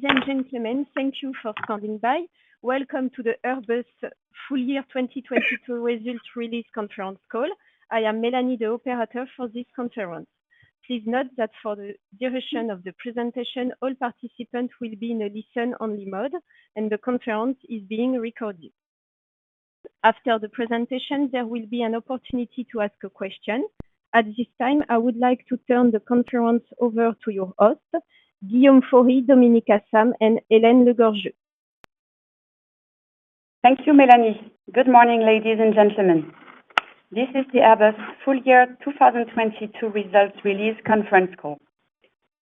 Ladies and gentlemen, thank you for calling by. Welcome to the Airbus Full Year 2022 Results Release Conference Call. I am Melanie, the operator for this conference. Please note that for the duration of the presentation, all participants will be in a listen-only mode, and the conference is being recorded. After the presentation, there will be an opportunity to ask a question. At this time, I would like to turn the conference over to your host, Guillaume Faury, Dominik Asam, and Hélène Le Gorgeu. Thank you, Melanie. Good morning, ladies and gentlemen. This is the Airbus full year 2022 results release conference call.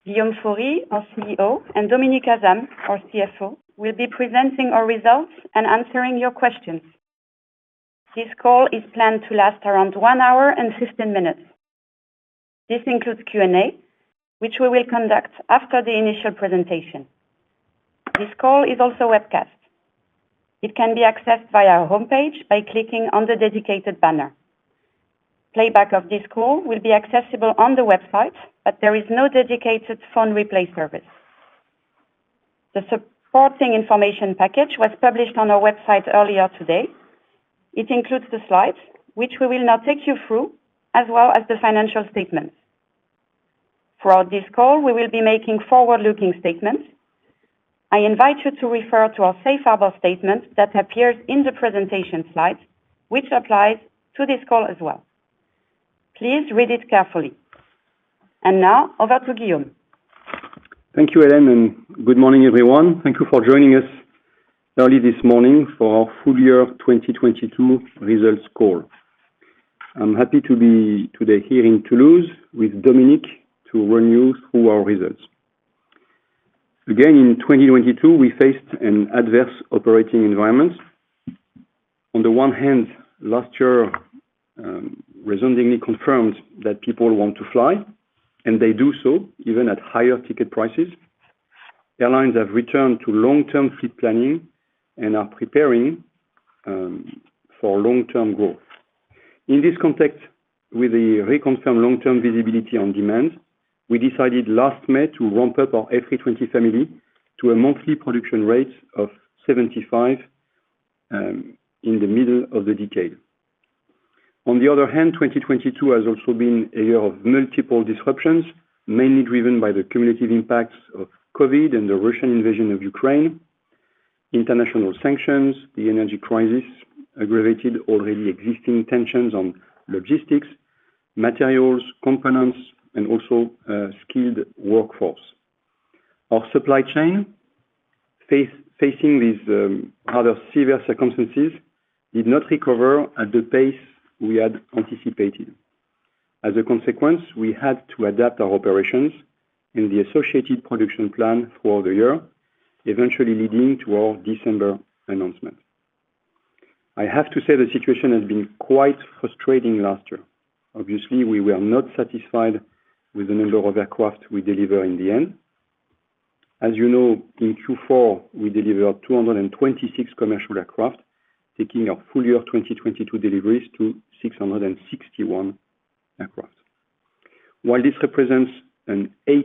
Guillaume Faury, our CEO, and Dominik Asam, our CFO, will be presenting our results and answering your questions. This call is planned to last around 1 hour and 15 minutes. This includes Q&A, which we will conduct after the initial presentation. This call is also webcast. It can be accessed via our homepage by clicking on the dedicated banner. Playback of this call will be accessible on the website, but there is no dedicated phone replay service. The supporting information package was published on our website earlier today. It includes the slides, which we will now take you through, as well as the financial statements. Throughout this call, we will be making forward-looking statements. I invite you to refer to our safe harbor statement that appears in the presentation slides, which applies to this call as well. Please read it carefully. Now over to Guillaume. Thank you, Hélène, and good morning, everyone. Thank you for joining us early this morning for our full year 2022 results call. I'm happy to be today here in Toulouse with Dominik to run you through our results. Again, in 2022, we faced an adverse operating environment. On the one hand, last year, resoundingly confirmed that people want to fly, and they do so even at higher ticket prices. Airlines have returned to long-term fleet planning and are preparing for long-term growth. In this context, with the reconfirmed long-term visibility on demand, we decided last May to ramp up our A320 family to a monthly production rate of 75 in the middle of the decade. On the other hand, 2022 has also been a year of multiple disruptions, mainly driven by the cumulative impacts of COVID and the Russian invasion of Ukraine. International sanctions, the energy crisis aggravated already existing tensions on logistics, materials, components, and also skilled workforce. Our supply chain facing these rather severe circumstances, did not recover at the pace we had anticipated. We had to adapt our operations and the associated production plan for the year, eventually leading to our December announcement. I have to say the situation has been quite frustrating last year. Obviously, we were not satisfied with the number of aircraft we deliver in the end. As you know, in Q4, we delivered 226 commercial aircraft, taking our full year 2022 deliveries to 661 aircraft. While this represents an 8%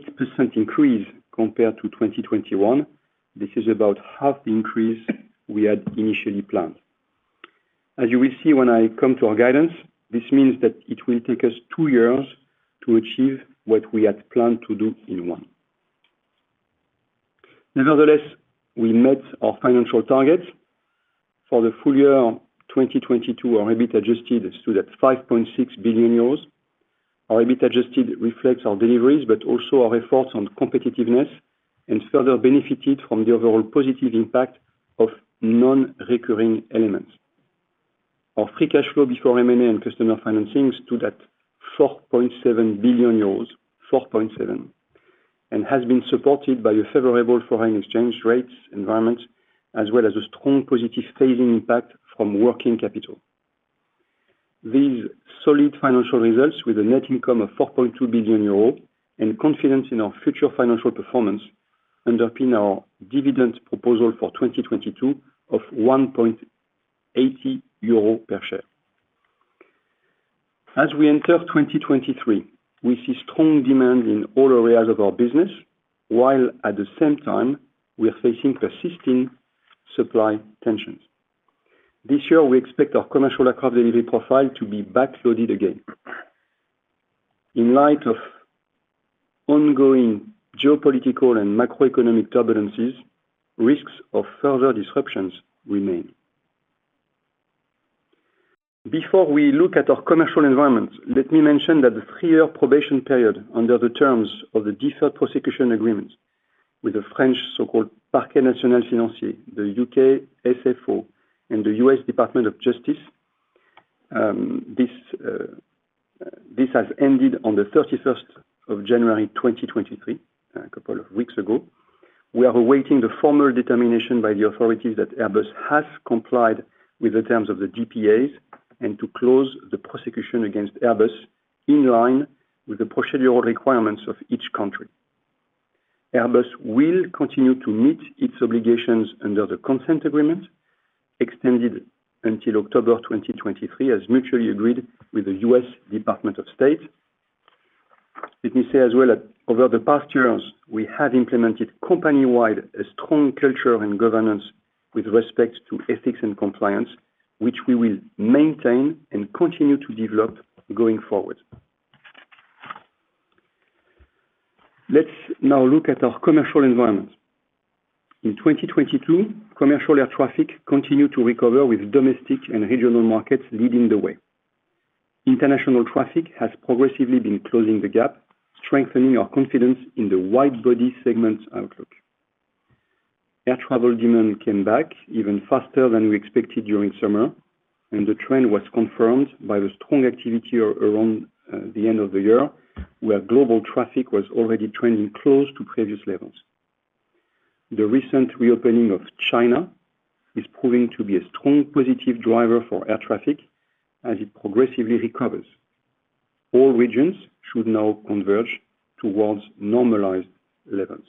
increase compared to 2021, this is about half the increase we had initially planned. As you will see when I come to our guidance, this means that it will take us two years to achieve what we had planned to do in 1. Nevertheless, we met our financial targets. For the full year 2022, our EBIT adjusted stood at 5.6 billion euros. Our EBIT adjusted reflects our deliveries but also our efforts on competitiveness and further benefited from the overall positive impact of non-recurring elements. Our free cash flow before M&A and customer financing stood at 4.7 billion euros, 4.7, and has been supported by a favorable foreign exchange rates environment as well as a strong positive phasing impact from working capital. These solid financial results with a net income of 4.2 billion euro and confidence in our future financial performance underpin our dividend proposal for 2022 of 1.80 euro per share. As we enter 2023, we see strong demand in all areas of our business, while at the same time, we are facing persisting supply tensions. This year, we expect our commercial aircraft delivery profile to be backloaded again. In light of ongoing geopolitical and macroeconomic turbulences, risks of further disruptions remain. Before we look at our commercial environment, let me mention that the 3-year probation period under the terms of the Deferred Prosecution Agreement with the French so-called Parquet National Financier, the UK SFO, and the U.S. Department of Justice, this has ended on the 31st of January, 2023, a couple of weeks ago. We are awaiting the formal determination by the authorities that Airbus has complied with the terms of the DPAs and to close the prosecution against Airbus in line with the procedural requirements of each country. Airbus will continue to meet its obligations under the consent agreement extended until October 2023, as mutually agreed with the U.S. Department of State. Let me say as well that over the past years, we have implemented company-wide a strong culture and governance with respect to ethics and compliance, which we will maintain and continue to develop going forward. Let's now look at our commercial environment. In 2022, commercial air traffic continued to recover with domestic and regional markets leading the way. International traffic has progressively been closing the gap, strengthening our confidence in the wide-body segment outlook. Air travel demand came back even faster than we expected during summer, and the trend was confirmed by the strong activity around the end of the year, where global traffic was already trending close to previous levels. The recent reopening of China is proving to be a strong positive driver for air traffic as it progressively recovers. All regions should now converge towards normalized levels.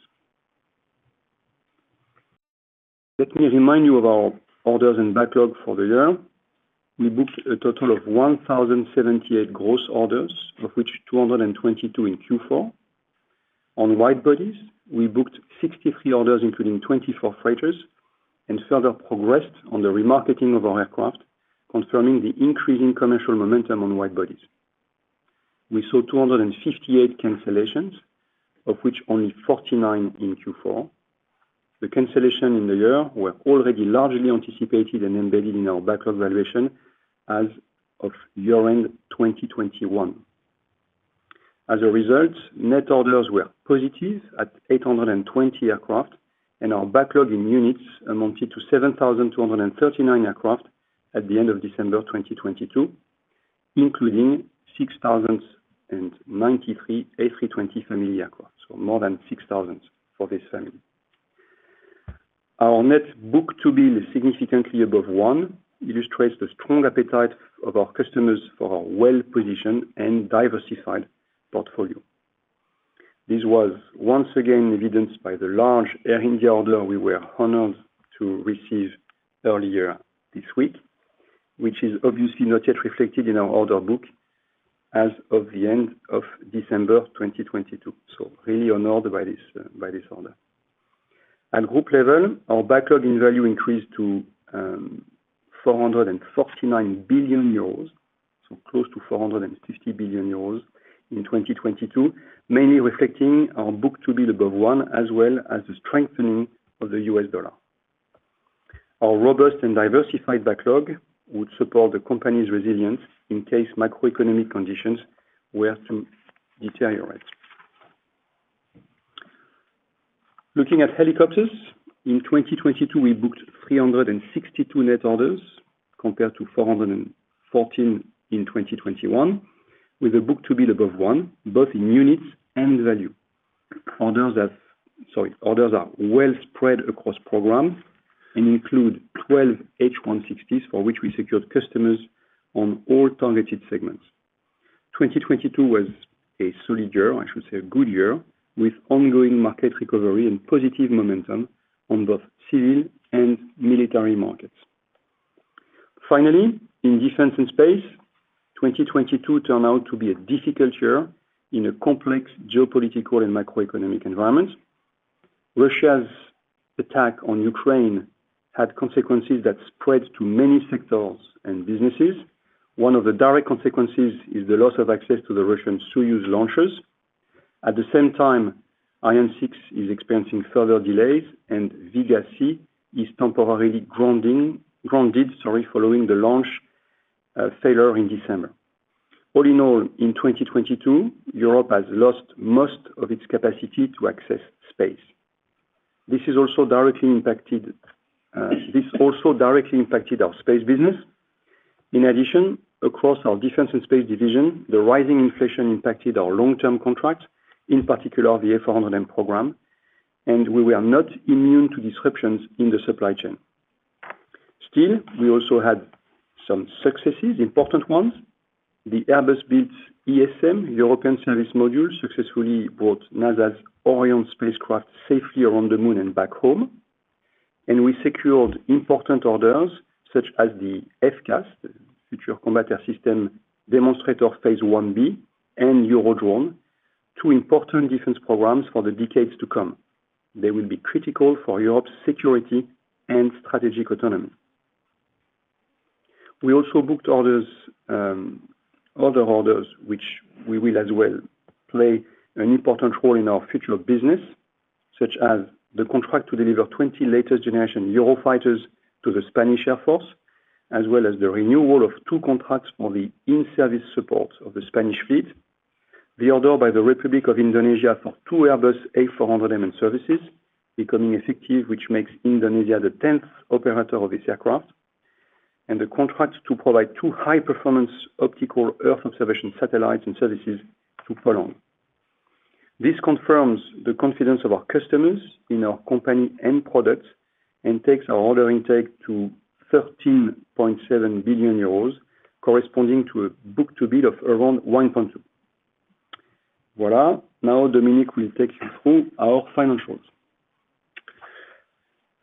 Let me remind you of our orders and backlog for the year. We booked a total of 1,078 gross orders, of which 222 in Q4. On wide bodies, we booked 63 orders, including 24 freighters, and further progressed on the remarketing of our aircraft, confirming the increasing commercial momentum on wide bodies. We saw 258 cancellations, of which only 49 in Q4. The cancellations in the year were already largely anticipated and embedded in our backlog valuation as of year-end 2021. As a result, net orders were positive at 820 aircraft, and our backlog in units amounted to 7,239 aircraft at the end of December 2022, including 6,093 A320 family aircraft. More than 6,000 for this family. Our net book-to-bill is significantly above 1, illustrates the strong appetite of our customers for our well-positioned and diversified portfolio. This was once again evidenced by the large Air India order we were honored to receive earlier this week, which is obviously not yet reflected in our order book as of the end of December 2022. Really honored by this, by this order. At group level, our backlog in value increased to 449 billion euros, close to 450 billion euros in 2022, mainly reflecting our book-to-bill above one as well as the strengthening of the US dollar. Our robust and diversified backlog would support the company's resilience in case macroeconomic conditions were to deteriorate. Looking at helicopters, in 2022, we booked 362 net orders, compared to 414 in 2021, with a book-to-bill above 1, both in units and value. Orders are well spread across programs and include 12 H160s, for which we secured customers on all targeted segments. 2022 was a solid year, I should say a good year, with ongoing market recovery and positive momentum on both civil and military markets. In Defense and Space, 2022 turned out to be a difficult year in a complex geopolitical and macroeconomic environment. Russia's attack on Ukraine had consequences that spread to many sectors and businesses. One of the direct consequences is the loss of access to the Russian Soyuz launchers. At the same time, Ariane 6 is experiencing further delays, and Vega-C is temporarily grounded, sorry, following the launch failure in December. All in all, in 2022, Europe has lost most of its capacity to access space. This also directly impacted our space business. In addition, across our Defence and Space division, the rising inflation impacted our long-term contracts, in particular the A400M program, we are not immune to disruptions in the supply chain. We also had some successes, important ones. The Airbus-built ESM, European Service Module, successfully brought NASA's Orion spacecraft safely around the Moon and back home. We secured important orders such as the FCAS, Future Combat Air System, demonstrator phase 1B and Eurodrone, two important defense programs for the decades to come. They will be critical for Europe's security and strategic autonomy. We also booked orders, other orders which we will as well play an important role in our future business, such as the contract to deliver 20 latest generation Eurofighters to the Spanish Air Force, as well as the renewal of twocontracts for the in-service support of the Spanish fleet; the order by the Republic of Indonesia for two Airbus A400M and services becoming effective, which makes Indonesia the 10th operator of this aircraft; and the contract to provide two high-performance optical earth observation satellites and services to follow. This confirms the confidence of our customers in our company and products and takes our order intake to 13.7 billion euros, corresponding to a book-to-bill of around 1.2. Voilà. Dominik will take you through our financials.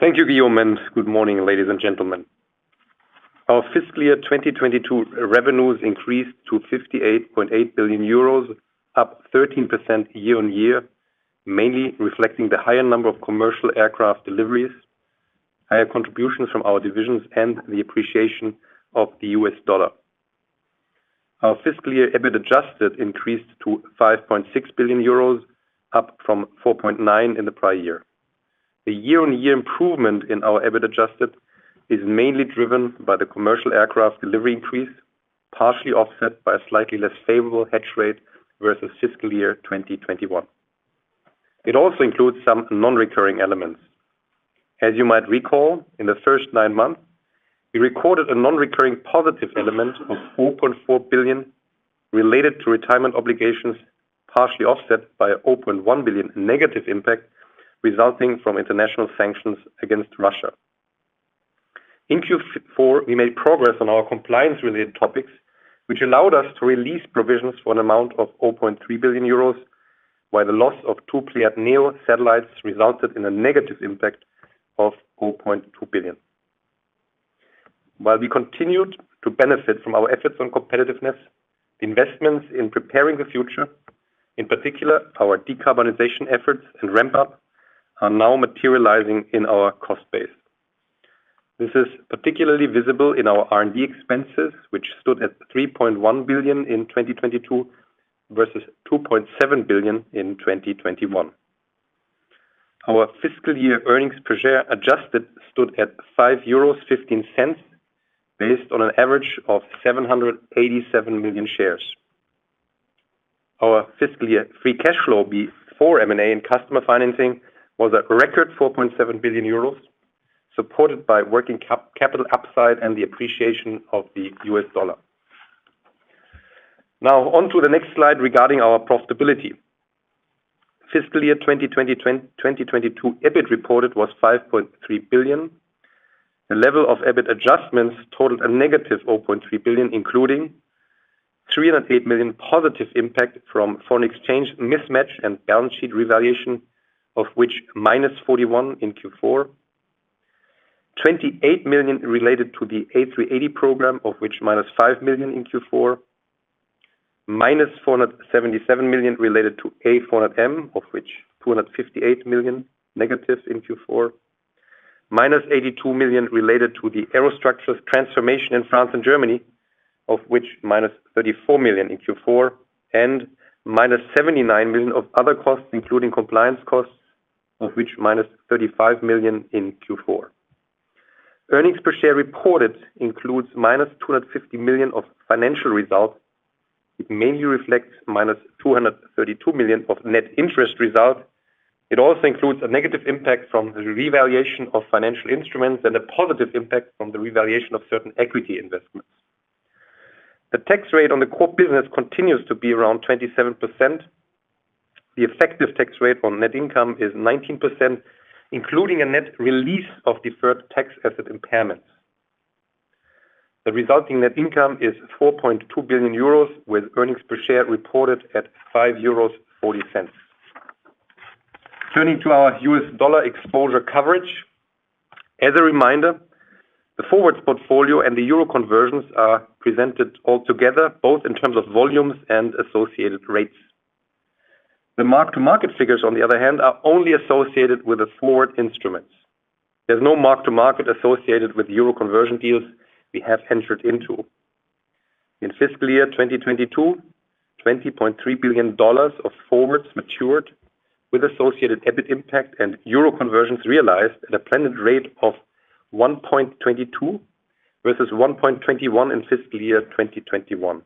Thank you, Guillaume. Good morning, ladies and gentlemen. Our fiscal year 2022 revenues increased to 58.8 billion euros, up 13% year-on-year, mainly reflecting the higher number of commercial aircraft deliveries, higher contributions from our divisions, and the appreciation of the US dollar. Our fiscal year EBIT adjusted increased to 5.6 billion euros, up from 4.9 billion in the prior year. The year-on-year improvement in our EBIT adjusted is mainly driven by the commercial aircraft delivery increase, partially offset by a slightly less favorable hedge rate versus fiscal year 2021. It also includes some non-recurring elements. As you might recall, in the first nine months, we recorded a non-recurring positive element of 4.4 billion related to retirement obligations, partially offset by a 1 billion negative impact resulting from international sanctions against Russia. In Q4, we made progress on our compliance-related topics, which allowed us to release provisions for an amount of 0.3 billion euros, while the loss of two Pléiades Neo satellites resulted in a negative impact of 0.2 billion. While we continued to benefit from our efforts on competitiveness, investments in preparing the future, in particular our decarbonization efforts and ramp-up, are now materializing in our cost base. This is particularly visible in our R&D expenses, which stood at 3.1 billion in 2022 versus 2.7 billion in 2021. Our fiscal year earnings per share adjusted stood at 5.15 euros, based on an average of 787 million shares. Our fiscal year free cash flow before M&A and customer financing was a record 4.7 billion euros, supported by working capital upside and the appreciation of the U.S. dollar. Now on to the next slide regarding our profitability. Fiscal year 2022 EBIT reported was 5.3 billion. The level of EBIT adjustments totaled a negative 0.3 billion, including 308 million positive impact from foreign exchange mismatch and balance sheet revaluation, of which minus 41 in Q4. 28 million related to the A380 program, of which minus 5 million in Q4. Minus 477 million related to A400M, of which 258 million negative in Q4. Minus 82 million related to the Aerostructures transformation in France and Germany, of which minus 34 million in Q4. Minus 79 million of other costs, including compliance costs, of which minus 35 million in Q4. Earnings per share reported includes minus 250 million of financial results, which mainly reflects minus 232 million of net interest results. It also includes a negative impact from the revaluation of financial instruments and a positive impact from the revaluation of certain equity investments. The tax rate on the core business continues to be around 27%. The effective tax rate on net income is 19%, including a net release of deferred tax asset impairments. The resulting net income is 4.2 billion euros, with earnings per share reported at 5.40 euros. Turning to our U.S. dollar exposure coverage. As a reminder, the forwards portfolio and the euro conversions are presented all together, both in terms of volumes and associated rates. The mark-to-market figures, on the other hand, are only associated with the floored instruments. There's no mark-to-market associated with euro conversion deals we have entered into. In fiscal year 2022, $20.3 billion of forwards matured with associated EBIT impact and euro conversions realized at a blended rate of 1.22, versus 1.21 in fiscal year 2021.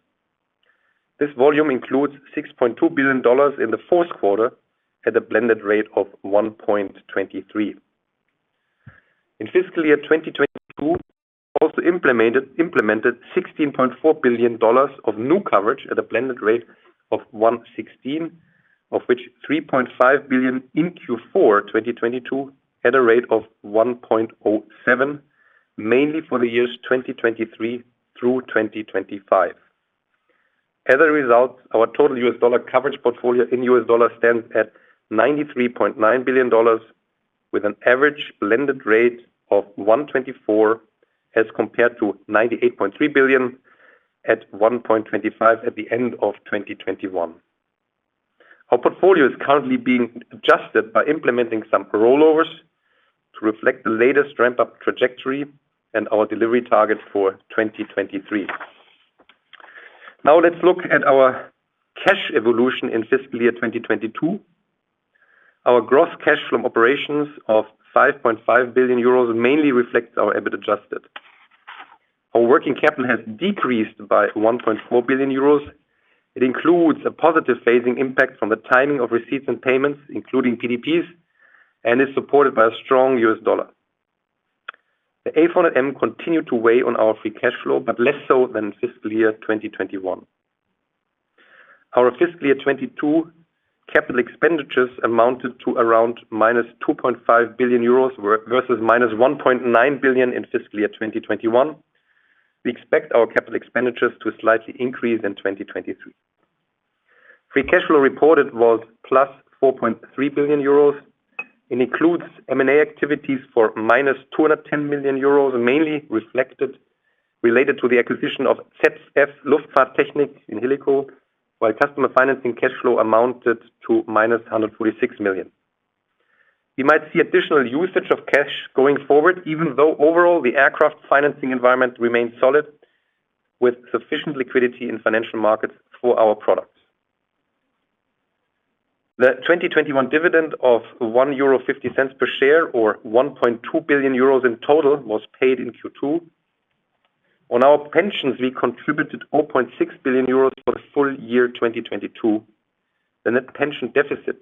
This volume includes $6.2 billion in the fourth quarter at a blended rate of 1.23. In fiscal year 2022, we also implemented $16.4 billion of new coverage at a blended rate of 1.16, of which $3.5 billion in Q4 2022 at a rate of 1.07, mainly for the years 2023 through 2025. As a result, our total US dollar coverage portfolio in US dollars stands at $93.9 billion with an average blended rate of 1.24 as compared to $98.3 billion at 1.25 at the end of 2021. Our portfolio is currently being adjusted by implementing some rollovers to reflect the latest ramp-up trajectory and our delivery targets for 2023. Let's look at our cash evolution in fiscal year 2022. Our gross cash from operations of 5.5 billion euros mainly reflects our EBIT adjusted. Our working capital has decreased by 1.4 billion euros. It includes a positive phasing impact from the timing of receipts and payments, including PDPs, and is supported by a strong US dollar. The A400M continued to weigh on our free cash flow, but less so than fiscal year 2021. Our fiscal year 2022 CapEx amounted to around -2.5 billion euros versus -1.9 billion in fiscal year 2021. We expect our CapEx to slightly increase in 2023. Free cash flow reported was +4.3 billion euros and includes M&A activities for -210 million euros, mainly reflected related to the acquisition of ZF Luftfahrttechnik in Helicop, while customer financing cash flow amounted to -146 million. You might see additional usage of cash going forward, even though overall the aircraft financing environment remains solid, with sufficient liquidity in financial markets for our products. The 2021 dividend of 1.50 euro per share or 1.2 billion euros in total was paid in Q2. On our pensions, we contributed 4.6 billion euros for full year 2022. The net pension deficit,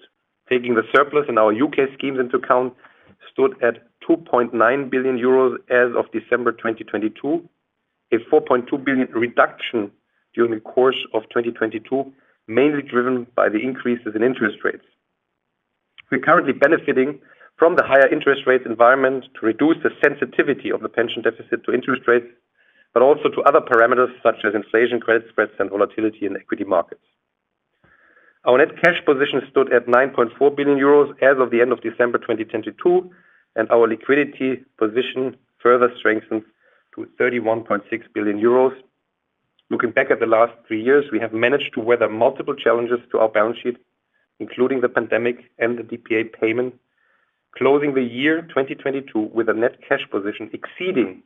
taking the surplus in our UK schemes into account, stood at €2.9 billion as of December 2022, a 4.2 billion reduction during the course of 2022, mainly driven by the increases in interest rates. We're currently benefiting from the higher interest rate environment to reduce the sensitivity of the pension deficit to interest rates, but also to other parameters such as inflation credit spreads and volatility in equity markets. Our net cash position stood at €9.4 billion as of the end of December 2022, and our liquidity position further strengthens to €31.6 billion. Looking back at the last three years, we have managed to weather multiple challenges to our balance sheet, including the pandemic and the DPA payment, closing the year 2022 with a net cash position exceeding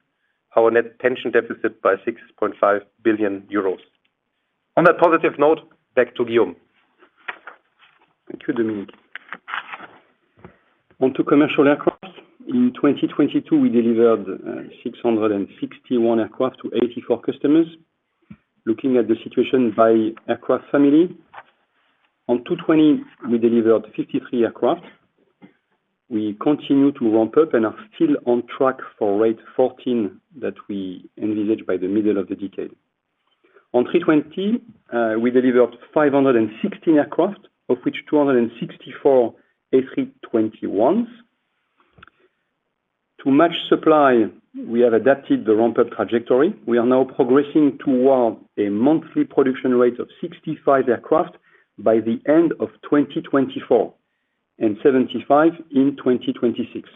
our net pension deficit by €6.5 billion. On that positive note, back to Guillaume. Thank you, Dominik. On to commercial aircraft. In 2022, we delivered 661 aircraft to 84 customers. Looking at the situation by aircraft family. On A220, we delivered 53 aircraft. We continue to ramp up and are still on track for rate 14 that we envisage by the middle of the decade. On A320, we delivered 516 aircraft, of which 264 A321s. To match supply, we have adapted the ramp up trajectory. We are now progressing toward a monthly production rate of 65 aircraft by the end of 2024 and 75 in 2026.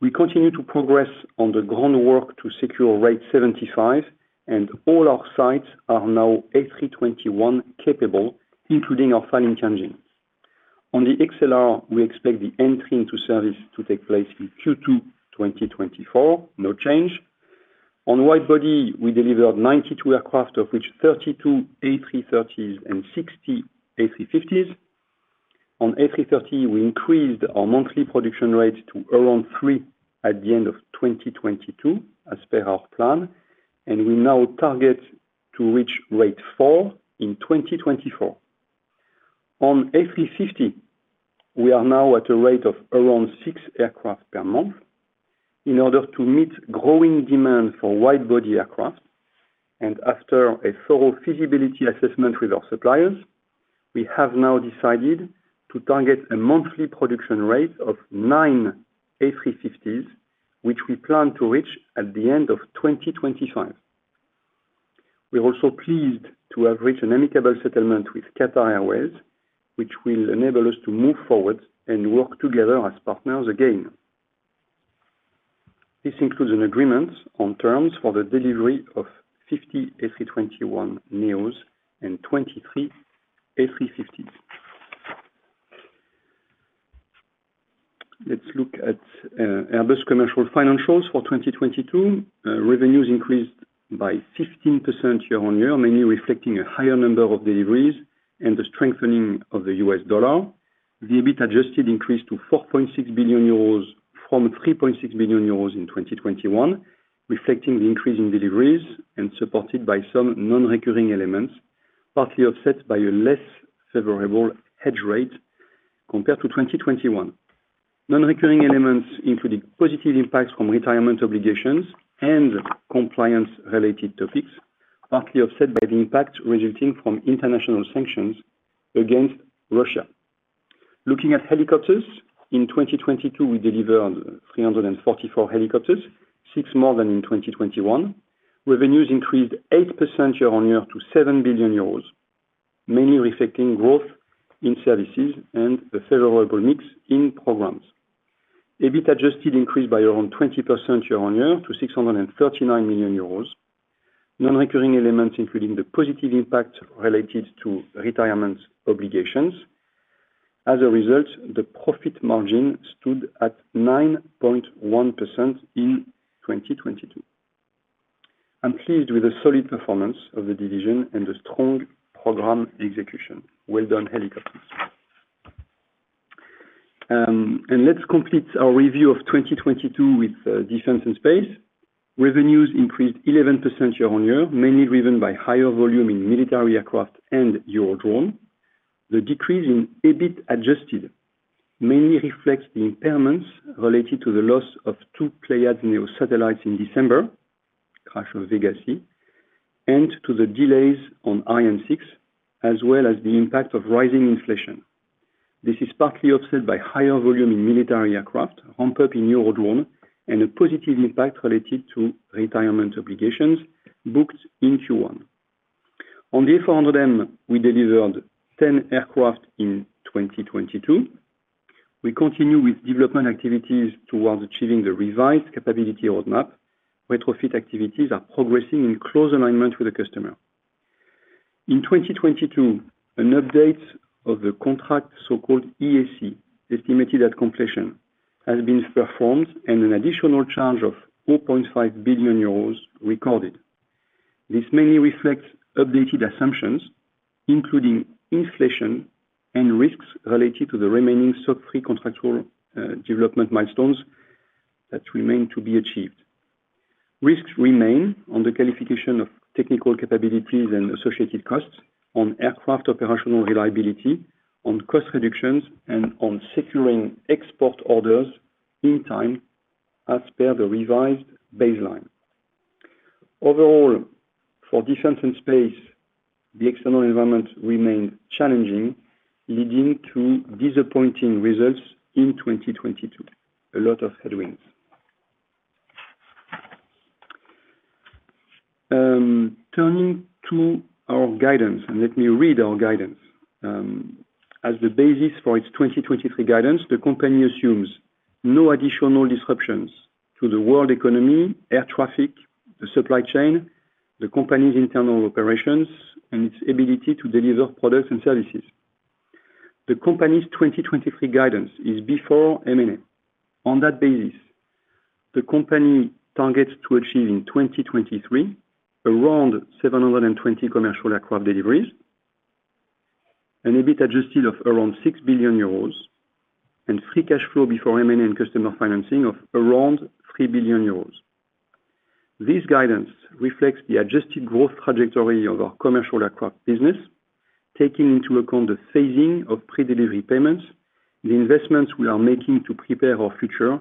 We continue to progress on the ground work to secure rate 75, and all our sites are now A321 capable, including our final engines. On the A321XLR, we expect the entry into service to take place in Q2 2024. No change. On wide body, we delivered 92 aircraft, of which 32 A330s and 60 A350s. On A330, we increased our monthly production rate to around three at the end of 2022 as per our plan, and we now target to reach rate four in 2024. On A350, we are now at a rate of around six aircraft per month in order to meet growing demand for wide-body aircraft. After a thorough feasibility assessment with our suppliers, we have now decided to target a monthly production rate of nine A350s, which we plan to reach at the end of 2025. We are also pleased to have reached an amicable settlement with Qatar Airways, which will enable us to move forward and work together as partners again. This includes an agreement on terms for the delivery of 50 A321neos and 23 A350s. Let's look at Airbus commercial financials for 2022. Revenues increased by 15% year-on-year, mainly reflecting a higher number of deliveries and the strengthening of the US dollar. The EBIT adjusted increased to €4.6 billion from €3.6 billion in 2021, reflecting the increase in deliveries and supported by some non-recurring elements, partly offset by a less favorable hedge rate compared to 2021. Non-recurring elements including positive impacts from retirement obligations and compliance-related topics, partly offset by the impact resulting from international sanctions against Russia. Looking at helicopters, in 2022, we delivered 344 helicopters, six more than in 2021. Revenues increased 8% year-on-year to €7 billion, mainly reflecting growth in services and the favorable mix in programs. EBIT adjusted increased by around 20% year-on-year to €639 million. Non-recurring elements, including the positive impact related to retirement obligations. As a result, the profit margin stood at 9.1% in 2022. I'm pleased with the solid performance of the division and the strong program execution. Well done, helicopters. Let's complete our review of 2022 with Defense and Space. Revenues increased 11% year-over-year, mainly driven by higher volume in military aircraft and Eurodrone. The decrease in EBIT adjusted mainly reflects the impairments related to the loss of two Pléiades Neo satellites in December, crash of Vega-C, and to the delays on Ariane 6, as well as the impact of rising inflation. This is partly offset by higher volume in military aircraft, ramp up in Eurodrone, and a positive impact related to retirement obligations booked in Q1. On the A400M, we delivered 10 aircraft in 2022. We continue with development activities towards achieving the revised capability roadmap. Retrofit activities are progressing in close alignment with the customer. In 2022, an update of the contract, so-called EAC, Estimated Completion, has been performed and an additional charge of 4.5 billion euros recorded. This mainly reflects updated assumptions, including inflation and risks related to the remaining SOC3 contractual development milestones that remain to be achieved. Risks remain on the qualification of technical capabilities and associated costs on aircraft operational reliability, on cost reductions, and on securing export orders in time as per the revised baseline. Overall, for Defense and Space, the external environment remained challenging, leading to disappointing results in 2022. A lot of headwinds. Turning to our guidance, let me read our guidance. As the basis for its 2023 guidance, the company assumes no additional disruptions to the world economy, air traffic, the supply chain, the company's internal operations, and its ability to deliver products and services. The company's 2023 guidance is before M&A. On that basis, the company targets to achieve in 2023 around 720 commercial aircraft deliveries, an EBIT adjusted of around 6 billion euros, and free cash flow before M&A customer financing of around 3 billion euros. This guidance reflects the adjusted growth trajectory of our commercial aircraft business, taking into account the phasing of pre-delivery payments, the investments we are making to prepare our future,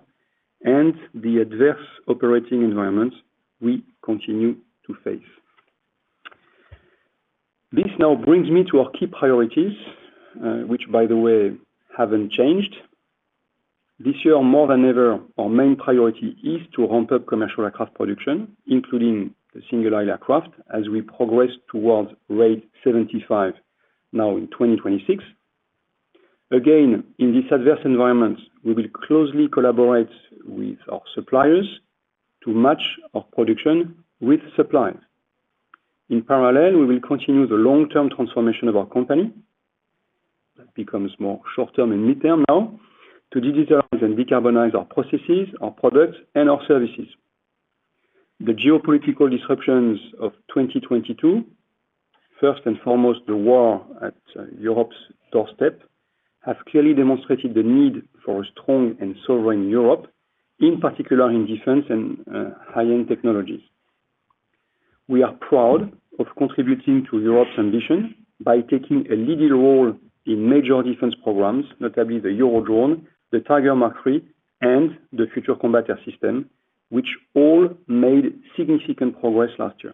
and the adverse operating environment we continue to face. This now brings me to our key priorities, which by the way, haven't changed. This year, more than ever, our main priority is to ramp up commercial aircraft production, including the single-aisle aircraft as we progress towards rate 75 now in 2026. In this adverse environment, we will closely collaborate with our suppliers to match our production with suppliers. In parallel, we will continue the long-term transformation of our company. That becomes more short-term and mid-term now to digitalize and decarbonize our processes, our products, and our services. The geopolitical disruptions of 2022, first and foremost, the war at Europe's doorstep, have clearly demonstrated the need for a strong and sovereign Europe, in particular in defense and high-end technologies. We are proud of contributing to Europe's ambition by taking a leading role in major defense programs, notably the Eurodrone, the Tiger MkIII, and the Future Combat Air System, which all made significant progress last year.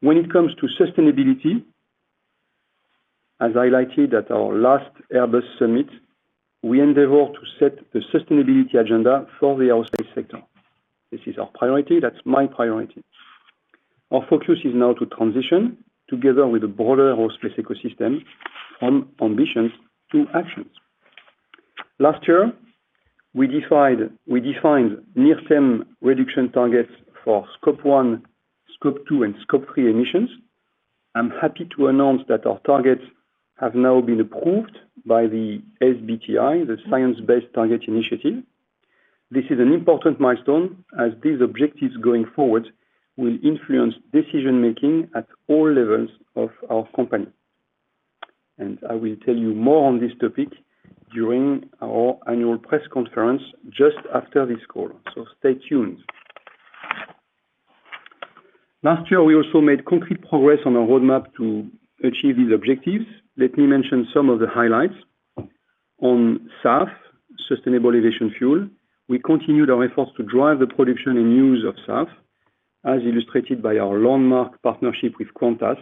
When it comes to sustainability, as highlighted at our last Airbus Summit, we endeavor to set the sustainability agenda for the aerospace sector. This is our priority, that's my priority. Our focus is now to transition, together with a broader aerospace ecosystem, from ambitions to actions. Last year, we defined near-term reduction targets for Scope 1, Scope 2, and Scope 3 emissions. I'm happy to announce that our targets have now been approved by the SBTi, the Science Based Targets initiative. This is an important milestone as these objectives going forward will influence decision-making at all levels of our company. I will tell you more on this topic during our annual press conference just after this call. Stay tuned. Last year, we also made concrete progress on our roadmap to achieve these objectives. Let me mention some of the highlights. On SAF, Sustainable Aviation Fuel, we continued our efforts to drive the production and use of SAF, as illustrated by our landmark partnership with Qantas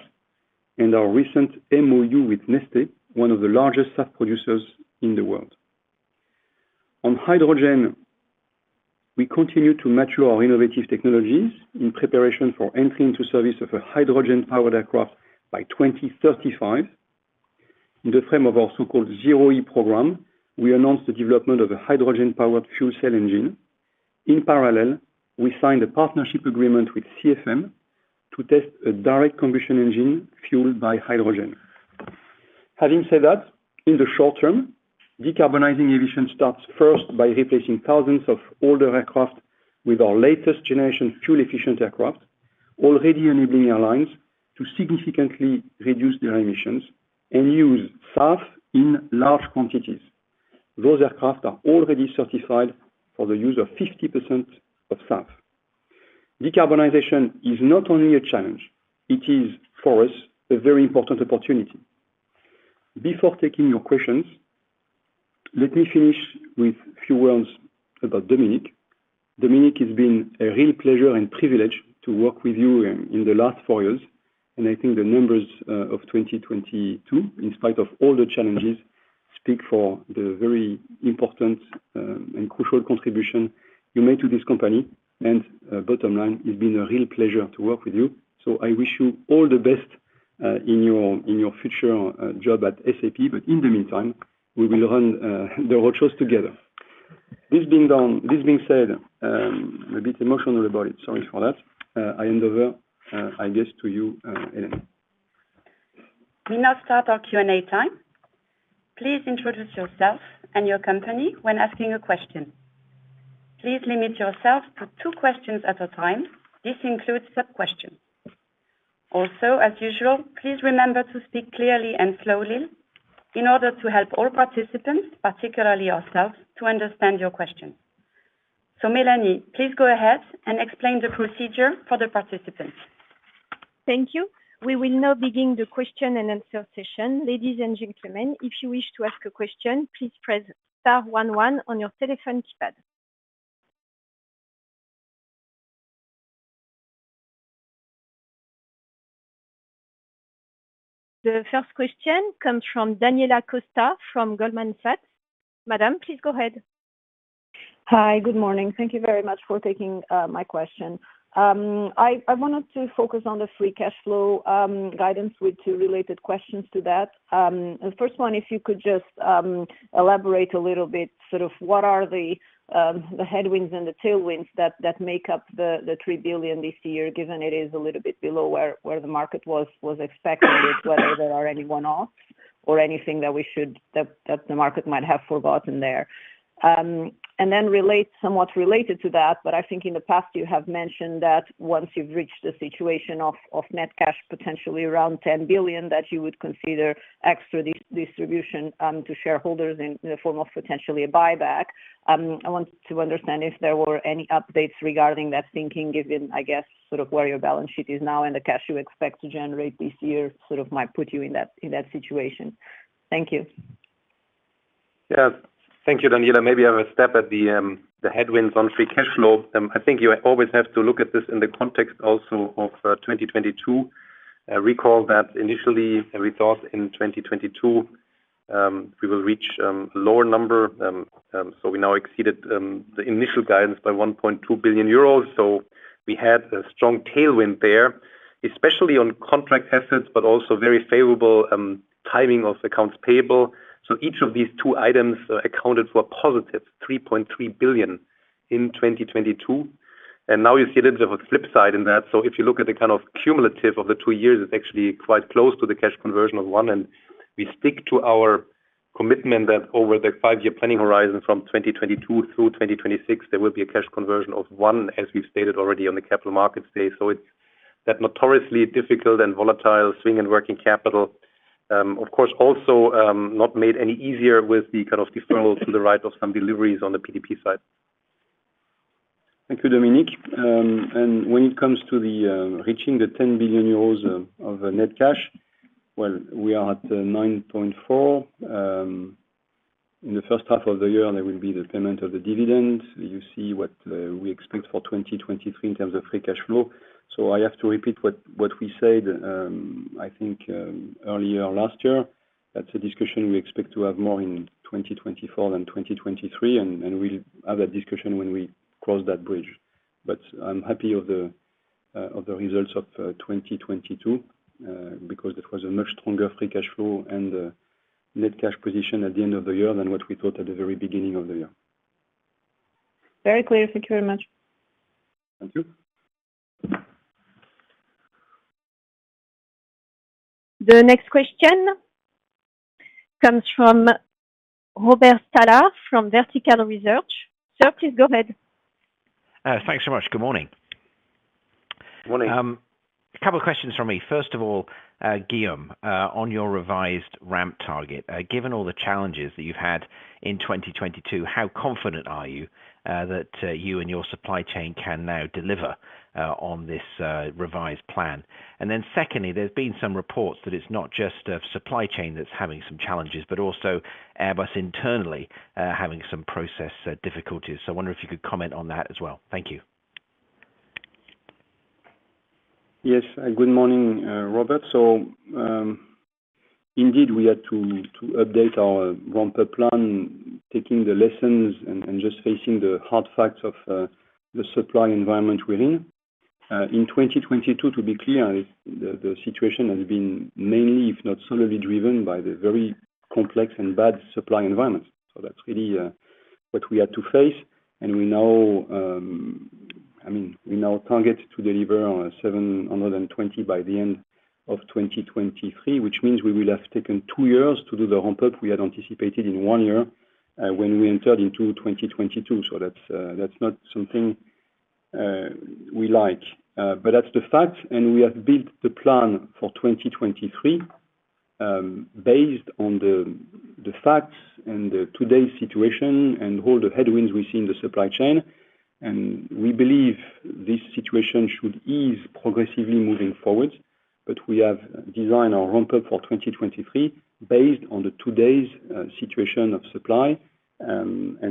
and our recent MoU with Neste, one of the largest SAF producers in the world. On hydrogen, we continue to mature our innovative technologies in preparation for entering into service of a hydrogen-powered aircraft by 2035. In the frame of our so-called ZEROe program, we announced the development of a hydrogen-powered fuel cell engine. In parallel, we signed a partnership agreement with CFM to test a direct combustion engine fueled by hydrogen. Having said that, in the short term, decarbonizing aviation starts first by replacing thousands of older aircraft with our latest generation fuel-efficient aircraft, already enabling airlines to significantly reduce their emissions and use SAF in large quantities. Those aircraft are already certified for the use of 50% of SAF. Decarbonization is not only a challenge, it is, for us, a very important opportunity. Before taking your questions. Let me finish with few words about Dominik. Dominik, it's been a real pleasure and privilege to work with you in the last four years, I think the numbers of 2022, in spite of all the challenges, speak for the very important and crucial contribution you made to this company. Bottom line, it's been a real pleasure to work with you. I wish you all the best in your future job at SAP. In the meantime, we will run the roadshows together. This being said, I'm a bit emotional about it, sorry for that. I hand over, I guess, to you, Hélène. We now start our Q&A time. Please introduce yourself and your company when asking a question. Please limit yourself to two questions at a time. This includes sub-questions. Also, as usual, please remember to speak clearly and slowly in order to help all participants, particularly ourselves, to understand your question. Melanie, please go ahead and explain the procedure for the participants. Thank you. We will now begin the question and answer session. Ladies and gentlemen, if you wish to ask a question, please press star one one on your telephone keypad. The first question comes from Daniela Costa from Goldman Sachs. Madam, please go ahead. Hi. Good morning. Thank you very much for taking my question. I wanted to focus on the free cash flow guidance with two related questions to that. The first one, if you could just elaborate a little bit, sort of what are the headwinds and the tailwinds that make up the 3 billion this year, given it is a little bit below where the market was expecting it, whether there are any one-offs or anything that the market might have forgotten there. Somewhat related to that, but I think in the past you have mentioned that once you've reached a situation of net cash, potentially around 10 billion, that you would consider extra distribution to shareholders in the form of potentially a buyback. I wanted to understand if there were any updates regarding that thinking, given, where your balance sheet is now and the cash you expect to generate this year might put you in that situation. Thank you. Yes. Thank you, Daniela. Maybe I will step at the headwinds on free cash flow. I think you always have to look at this in the context also of 2022. Recall that initially we thought in 2022, we will reach lower number. We now exceeded the initial guidance by 1.2 billion euros. We had a strong tailwind there, especially on contract assets, but also very favorable timing of accounts payable. Each of these two items accounted for a positive 3.3 billion in 2022. Now you see a little bit of a flip side in that. If you look at the kind of cumulative of the two years, it's actually quite close to the cash conversion of one. We stick to our commitment that over the five-year planning horizon, from 2022 through 2026, there will be a cash conversion of 1, as we've stated already on the Capital Markets Day. It's that notoriously difficult and volatile swing in working capital, of course also not made any easier with the kind of deferral to the right of some deliveries on the PDP side. Thank you, Dominik. When it comes to the reaching the 10 billion euros of net cash, we are at 9.4. In the first half of the year, there will be the payment of the dividend. You see what we expect for 2023 in terms of free cash flow. I have to repeat what we said, I think, earlier last year. That's a discussion we expect to have more in 2024 than 2023, and we'll have that discussion when we cross that bridge. I'm happy of the results of 2022 because it was a much stronger free cash flow and net cash position at the end of the year than what we thought at the very beginning of the year. Very clear. Thank you very much. Thank you. The next question comes from Robert Stallard from Vertical Research. Sir, please go ahead. Thanks so much. Good morning. Morning. A couple of questions from me. First of all, Guillaume, on your revised ramp target, given all the challenges that you've had in 2022, how confident are you that you and your supply chain can now deliver on this revised plan? Secondly, there's been some reports that it's not just the supply chain that's having some challenges, but also Airbus internally, having some process difficulties. I wonder if you could comment on that as well. Thank you. Yes. Good morning, Robert. Indeed, we had to update our ramp-up plan, taking the lessons and just facing the hard facts of the supply environment we're in. In 2022, to be clear, the situation has been mainly, if not solely, driven by the very complex and bad supply environment. That's really what we had to face. We now, I mean, we now target to deliver on a 720 by the end of 2023, which means we will have taken two years to do the ramp-up we had anticipated in one year, when we entered into 2022. That's not something we like. That's the fact, we have built the plan for 2023 based on the facts and today's situation and all the headwinds we see in the supply chain. We believe this situation should ease progressively moving forward. We have designed our ramp up for 2023 based on the today's situation of supply, and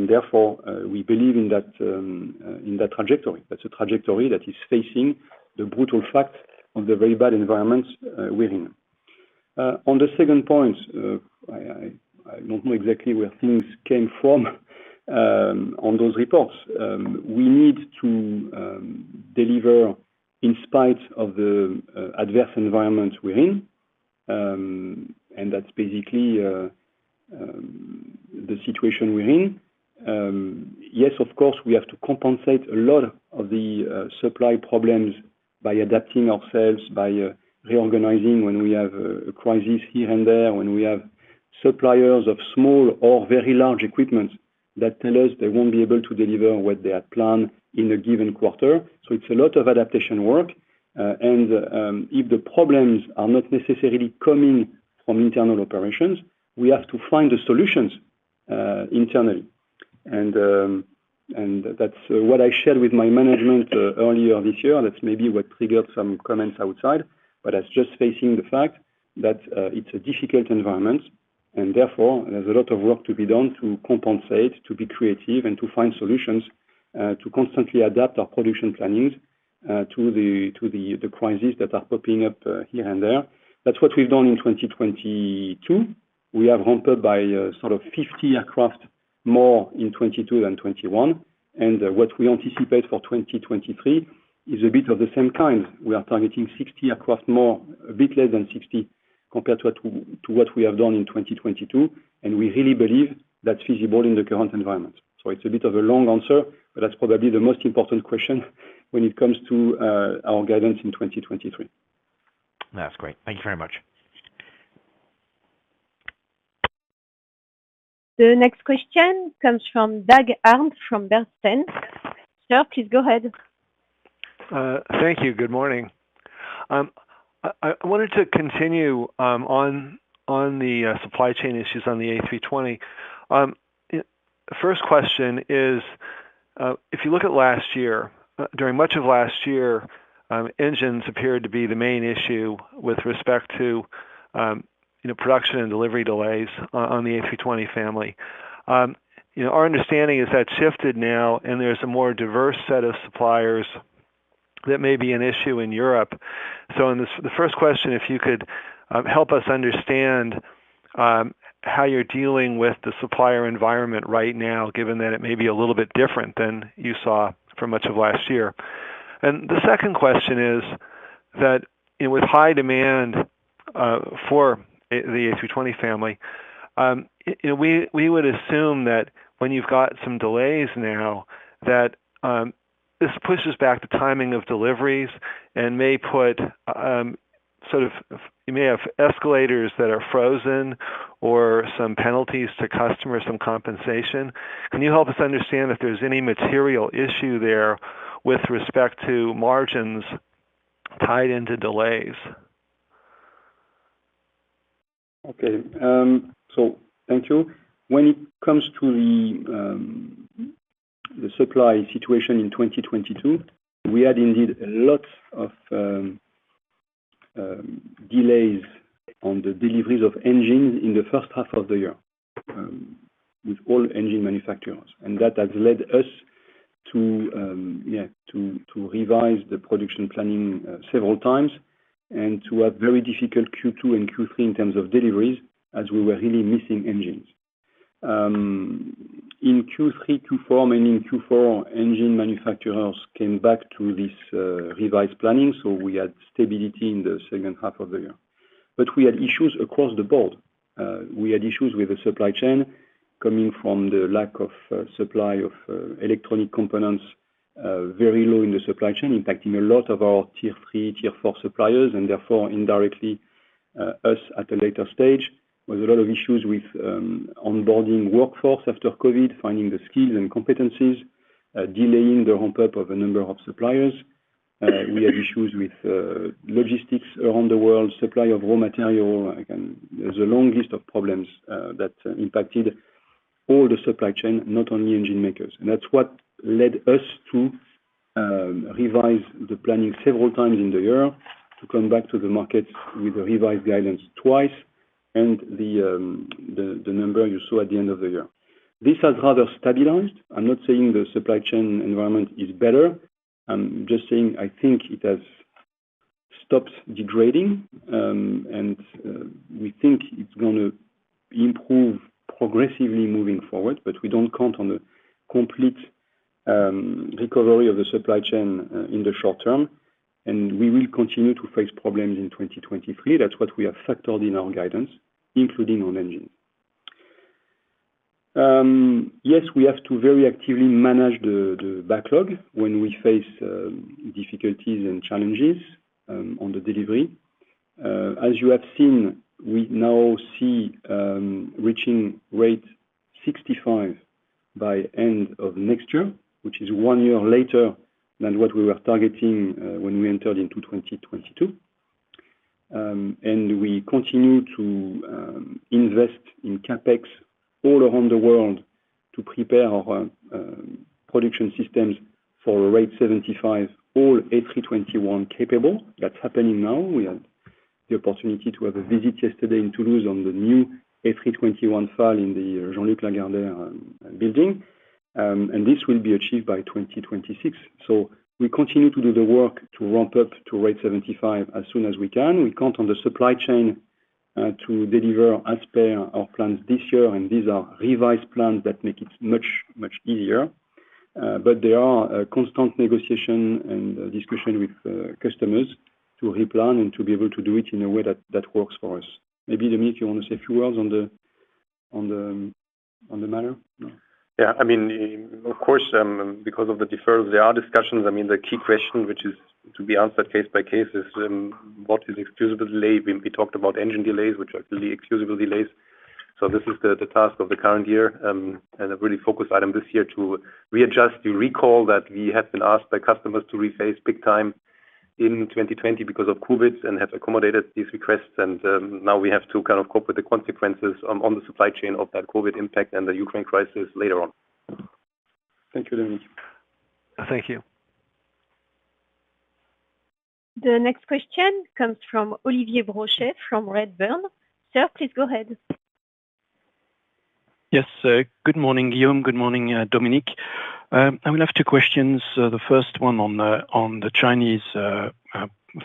therefore, we believe in that in that trajectory. That's a trajectory that is facing the brutal fact of the very bad environment we're in. On the second point, I don't know exactly where things came from on those reports. We need to deliver in spite of the adverse environment we're in, and that's basically the situation we're in. Yes, of course, we have to compensate a lot of the supply problems by adapting ourselves, by reorganizing when we have a crisis here and there. When we have suppliers of small or very large equipment that tell us they won't be able to deliver what they had planned in a given quarter. It's a lot of adaptation work. If the problems are not necessarily coming from internal operations, we have to find the solutions internally. That's what I shared with my management earlier this year, and that's maybe what triggered some comments outside. That's just facing the fact that it's a difficult environment and therefore there's a lot of work to be done to compensate, to be creative, and to find solutions to constantly adapt our production plannings to the crises that are popping up here and there. That's what we've done in 2022. We have ramped up by sort of 50 aircraft more in 2022 than 2021. What we anticipate for 2023 is a bit of the same kind. We are targeting 60 aircraft more, a bit less than 60 compared to what we have done in 2022, and we really believe that's feasible in the current environment. It's a bit of a long answer, but that's probably the most important question when it comes to our guidance in 2023. That's great. Thank you very much. The next question comes from Doug Harned from Bernstein. Sir, please go ahead. Thank you. Good morning. I wanted to continue on the supply chain issues on the A320. First question is, if you look at last year, during much of last year, engines appeared to be the main issue with respect to, you know, production and delivery delays on the A320 family. You know, our understanding is that's shifted now and there's a more diverse set of suppliers that may be an issue in Europe. The first question, if you could, help us understand how you're dealing with the supplier environment right now, given that it may be a little bit different than you saw for much of last year. The second question is that with high demand for the A320 family, and we would assume that when you've got some delays now that this pushes back the timing of deliveries and you may have escalators that are frozen or some penalties to customers, some compensation. Can you help us understand if there's any material issue there with respect to margins tied into delays? Okay. Thank you. When it comes to the supply situation in 2022, we had indeed a lot of delays on the deliveries of engines in the first half of the year with all engine manufacturers. That has led us to, yeah, to revise the production planning several times and to a very difficult Q2 and Q3 in terms of deliveries as we were really missing engines. In Q3, Q4, meaning Q4 engine manufacturers came back to this revised planning, we had stability in the second half of the year. We had issues across the board. We had issues with the supply chain coming from the lack of supply of electronic components, very low in the supply chain, impacting a lot of our Tier 3, Tier 4 suppliers and therefore indirectly us at a later stage. There was a lot of issues with onboarding workforce after COVID, finding the skills and competencies, delaying the ramp up of a number of suppliers. We had issues with logistics around the world, supply of raw material. Again, there's a long list of problems that impacted all the supply chain, not only engine makers. That's what led us to revise the planning several times in the year to come back to the market with a revised guidance twice and the number you saw at the end of the year. This has rather stabilized. I'm not saying the supply chain environment is better. I'm just saying I think it has stopped degrading. We think it's gonna improve progressively moving forward, but we don't count on a complete recovery of the supply chain in the short term. We will continue to face problems in 2023. That's what we have factored in our guidance, including on engine. Yes, we have to very actively manage the backlog when we face difficulties and challenges on the delivery. As you have seen, we now see reaching rate 65 by end of next year, which is one year later than what we were targeting when we entered into 2022. We continue to invest in CapEx all around the world to prepare our production systems for rate 75, all A321 capable. That's happening now. We had the opportunity to have a visit yesterday in Toulouse on the new A321 file in the Jean-Luc Lagardère building, this will be achieved by 2026. We continue to do the work to ramp up to rate 75 as soon as we can. We count on the supply chain to deliver as per our plans this year, these are revised plans that make it much, much easier. There are constant negotiation and discussion with customers to replan and to be able to do it in a way that works for us. Maybe Dominik, you want to say a few words on the matter? No. Yeah, I mean, of course, because of the deferral, there are discussions. I mean, the key question, which is to be answered case by case, is what is excusable delay? We talked about engine delays, which are really excusable delays. This is the task of the current year, and a really focused item this year to readjust. You recall that we have been asked by customers to rephase big time in 2020 because of COVID and have accommodated these requests. Now we have to kind of cope with the consequences on the supply chain of that COVID impact and the Ukraine crisis later on. Thank you, Dominik. Thank you. The next question comes from Olivier Brochet from Redburn. Sir, please go ahead. Yes. Good morning, Guillaume. Good morning, Dominik. I will have two questions. The first one on the Chinese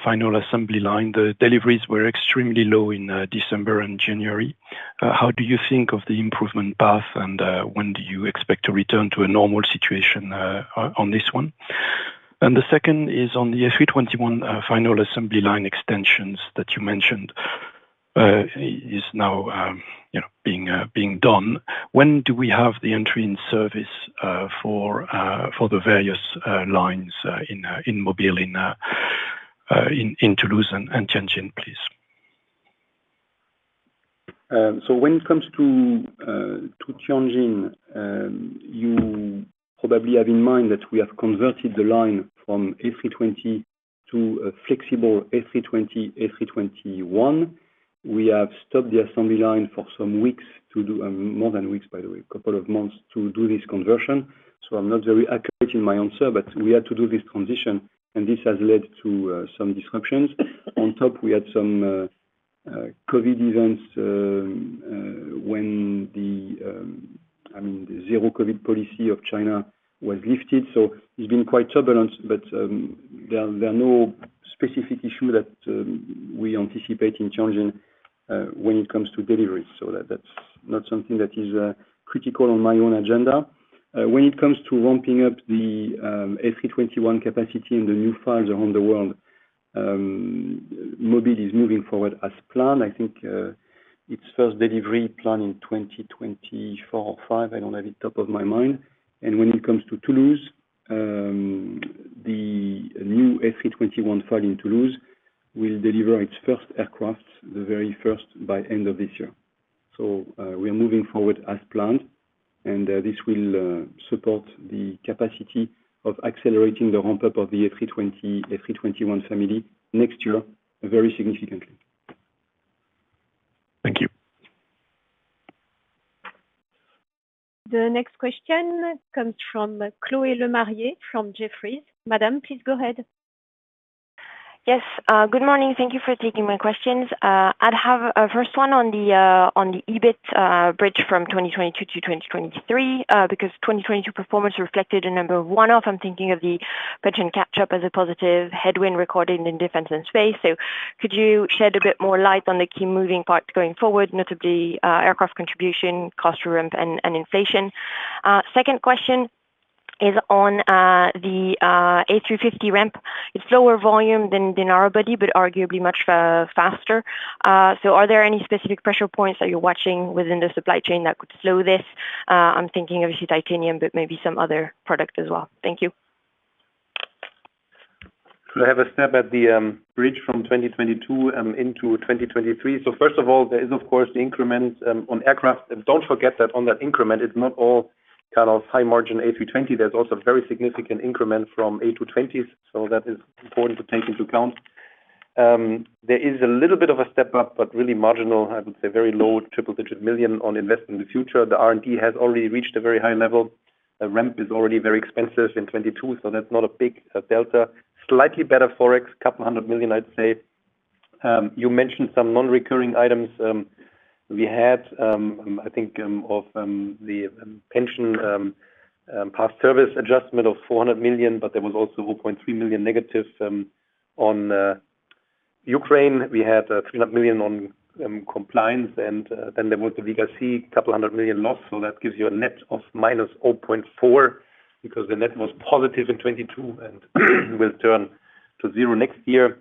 final assembly line. The deliveries were extremely low in December and January. How do you think of the improvement path, and when do you expect to return to a normal situation on this one? The second is on the A321 final assembly line extensions that you mentioned, is now, you know, being done. When do we have the entry in service for the various lines in Mobile, in Toulouse and Tianjin, please? So when it comes to Tianjin, you probably have in mind that we have converted the line from A320 to a flexible A320/A321. We have stopped the assembly line for some weeks to do more than weeks, by the way, a couple of months to do this conversion. I'm not very accurate in my answer, but we had to do this transition, and this has led to some disruptions. On top we had some Covid events, when the, I mean, the zero-Covid policy of China was lifted, so it's been quite turbulent. There are no specific issue that we anticipate in Tianjin, when it comes to deliveries. That's not something that is critical on my own agenda. When it comes to ramping up the A321 capacity in the new FALs around the world, Mobile is moving forward as planned. I think its first delivery planned in 2024 or 2025, I don't have it top of my mind. When it comes to Toulouse, the new A321 FAL in Toulouse will deliver its first aircraft, the very first, by end of this year. We are moving forward as planned, and this will support the capacity of accelerating the ramp-up of the A320, A321 family next year very significantly. Thank you. The next question comes from Chloé Lemarié from Jefferies. Madam, please go ahead. Yes. Good morning. Thank you for taking my questions. I'd have a first one on the EBIT bridge from 2022 to 2023 because 2022 performance reflected a number of one-off. I'm thinking of the pension catch-up as a positive headwind recorded in Defense and Space. Could you shed a bit more light on the key moving parts going forward, notably, aircraft contribution, cost ramp, and inflation? Second question is on the A350 ramp. It's lower volume than Narrowbody, but arguably much faster. Are there any specific pressure points that you're watching within the supply chain that could slow this? I'm thinking obviously titanium, but maybe some other product as well. Thank you. Could I have a stab at the bridge from 2022 into 2023? First of all, there is of course the increment on aircraft. Don't forget that on that increment, it's not all kind of high-margin A320. There's also very significant increment from A220s, so that is important to take into account. There is a little bit of a step up, but really marginal. I would say very low EUR double-digit million on Invest in the Future. The R&D has already reached a very high level. The ramp is already very expensive in 22, so that's not a big delta. Slightly better Forex, 200 million, I'd say. You mentioned some non-recurring items. We had, I think, of the pension past service adjustment of 400 million, but there was also 0.3 million negative on Ukraine. We had 300 million on compliance, then there was the legacy 200 million loss. That gives you a net of minus 0.4, because the net was positive in 2022 and will turn to 0 next year.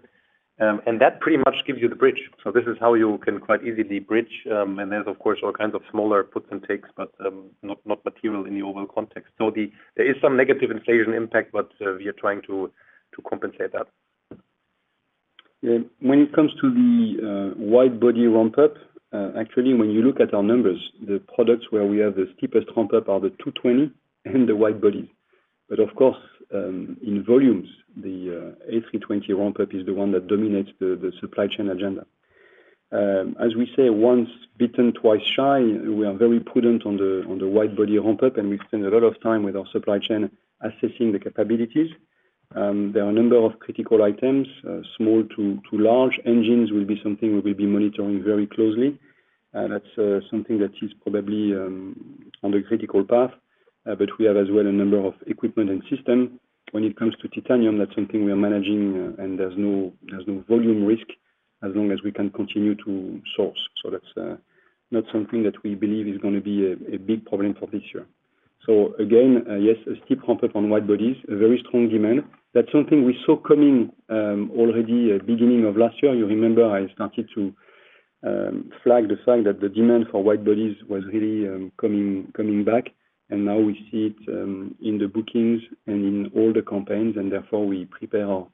That pretty much gives you the bridge. This is how you can quite easily bridge. There's of course all kinds of smaller puts and takes, but not material in the overall context. There is some negative inflation impact, but we are trying to compensate that. Yeah. When it comes to the wide-body ramp-up, actually when you look at our numbers, the products where we have the steepest ramp-up are the A220 and the wide-body. Of course, in volumes, the A320 ramp-up is the one that dominates the supply chain agenda. As we say, once bitten, twice shy. We are very prudent on the wide-body ramp up, and we spend a lot of time with our supply chain assessing the capabilities. There are a number of critical items, small to large. Engines will be something we'll be monitoring very closely. That's something that is probably on the critical path. We have as well a number of equipment and system. When it comes to titanium, that's something we are managing and there's no volume risk as long as we can continue to source. That's not something that we believe is gonna be a big problem for this year. Again, yes, a steep ramp up on wide-bodies, a very strong demand. That's something we saw coming already at beginning of last year. You remember I started to flag the sign that the demand for wide-bodies was really coming back. Now we see it in the bookings and in all the campaigns. Therefore we prepare our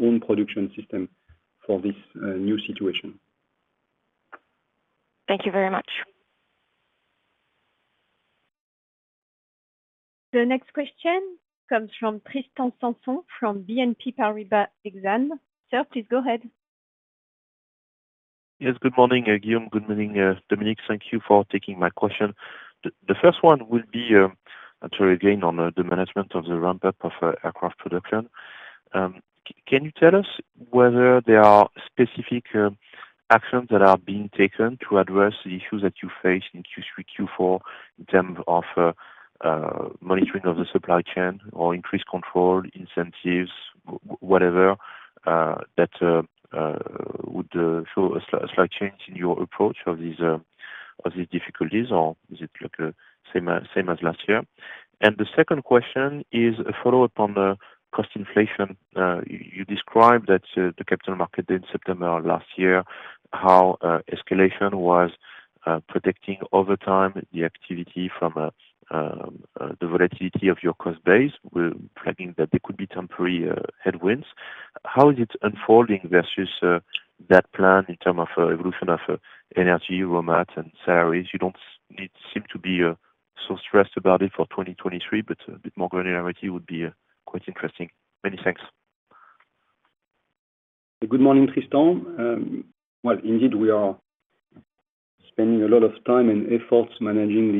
own production system for this new situation. Thank you very much. The next question comes from Tristan Sanson from BNP Paribas Exane. Sir, please go ahead. Yes, good morning, Guillaume. Good morning, Dominik. Thank you for taking my question. The first one would be, actually again, on the management of the ramp up of aircraft production. Can you tell us whether there are specific actions that are being taken to address the issues that you face in Q3, Q4, in terms of monitoring of the supply chain or increased control, incentives, whatever, that would show a slight change in your approach of these difficulties, or is it like, same as last year? The second question is a follow-up on the cost inflation. You described that the capital market in September of last year, how escalation was predicting over time the activity from the volatility of your cost base. We're planning that there could be temporary headwinds. How is it unfolding versus that plan in term of evolution of energy, raw mat, and salaries? You don't seem to be so stressed about it for 2023, but a bit more granularity would be quite interesting. Many thanks. Good morning, Tristan. Well, indeed, we are spending a lot of time and efforts managing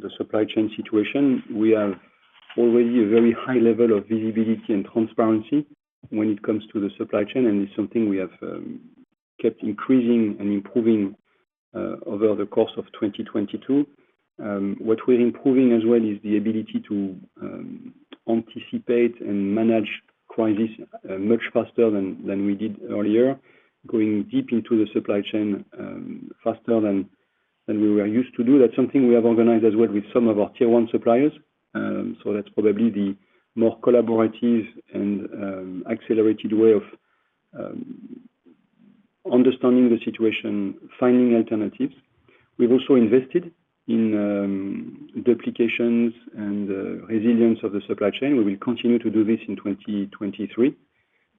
the supply chain situation. We have already a very high level of visibility and transparency when it comes to the supply chain. It's something we have kept increasing and improving over the course of 2022. What we're improving as well is the ability to anticipate and manage crisis much faster than we did earlier, going deep into the supply chain faster than we were used to do. That's something we have organized as well with some of our tier one suppliers. That's probably the more collaborative and accelerated way of understanding the situation, finding alternatives. We've also invested in duplications and resilience of the supply chain. We will continue to do this in 2023.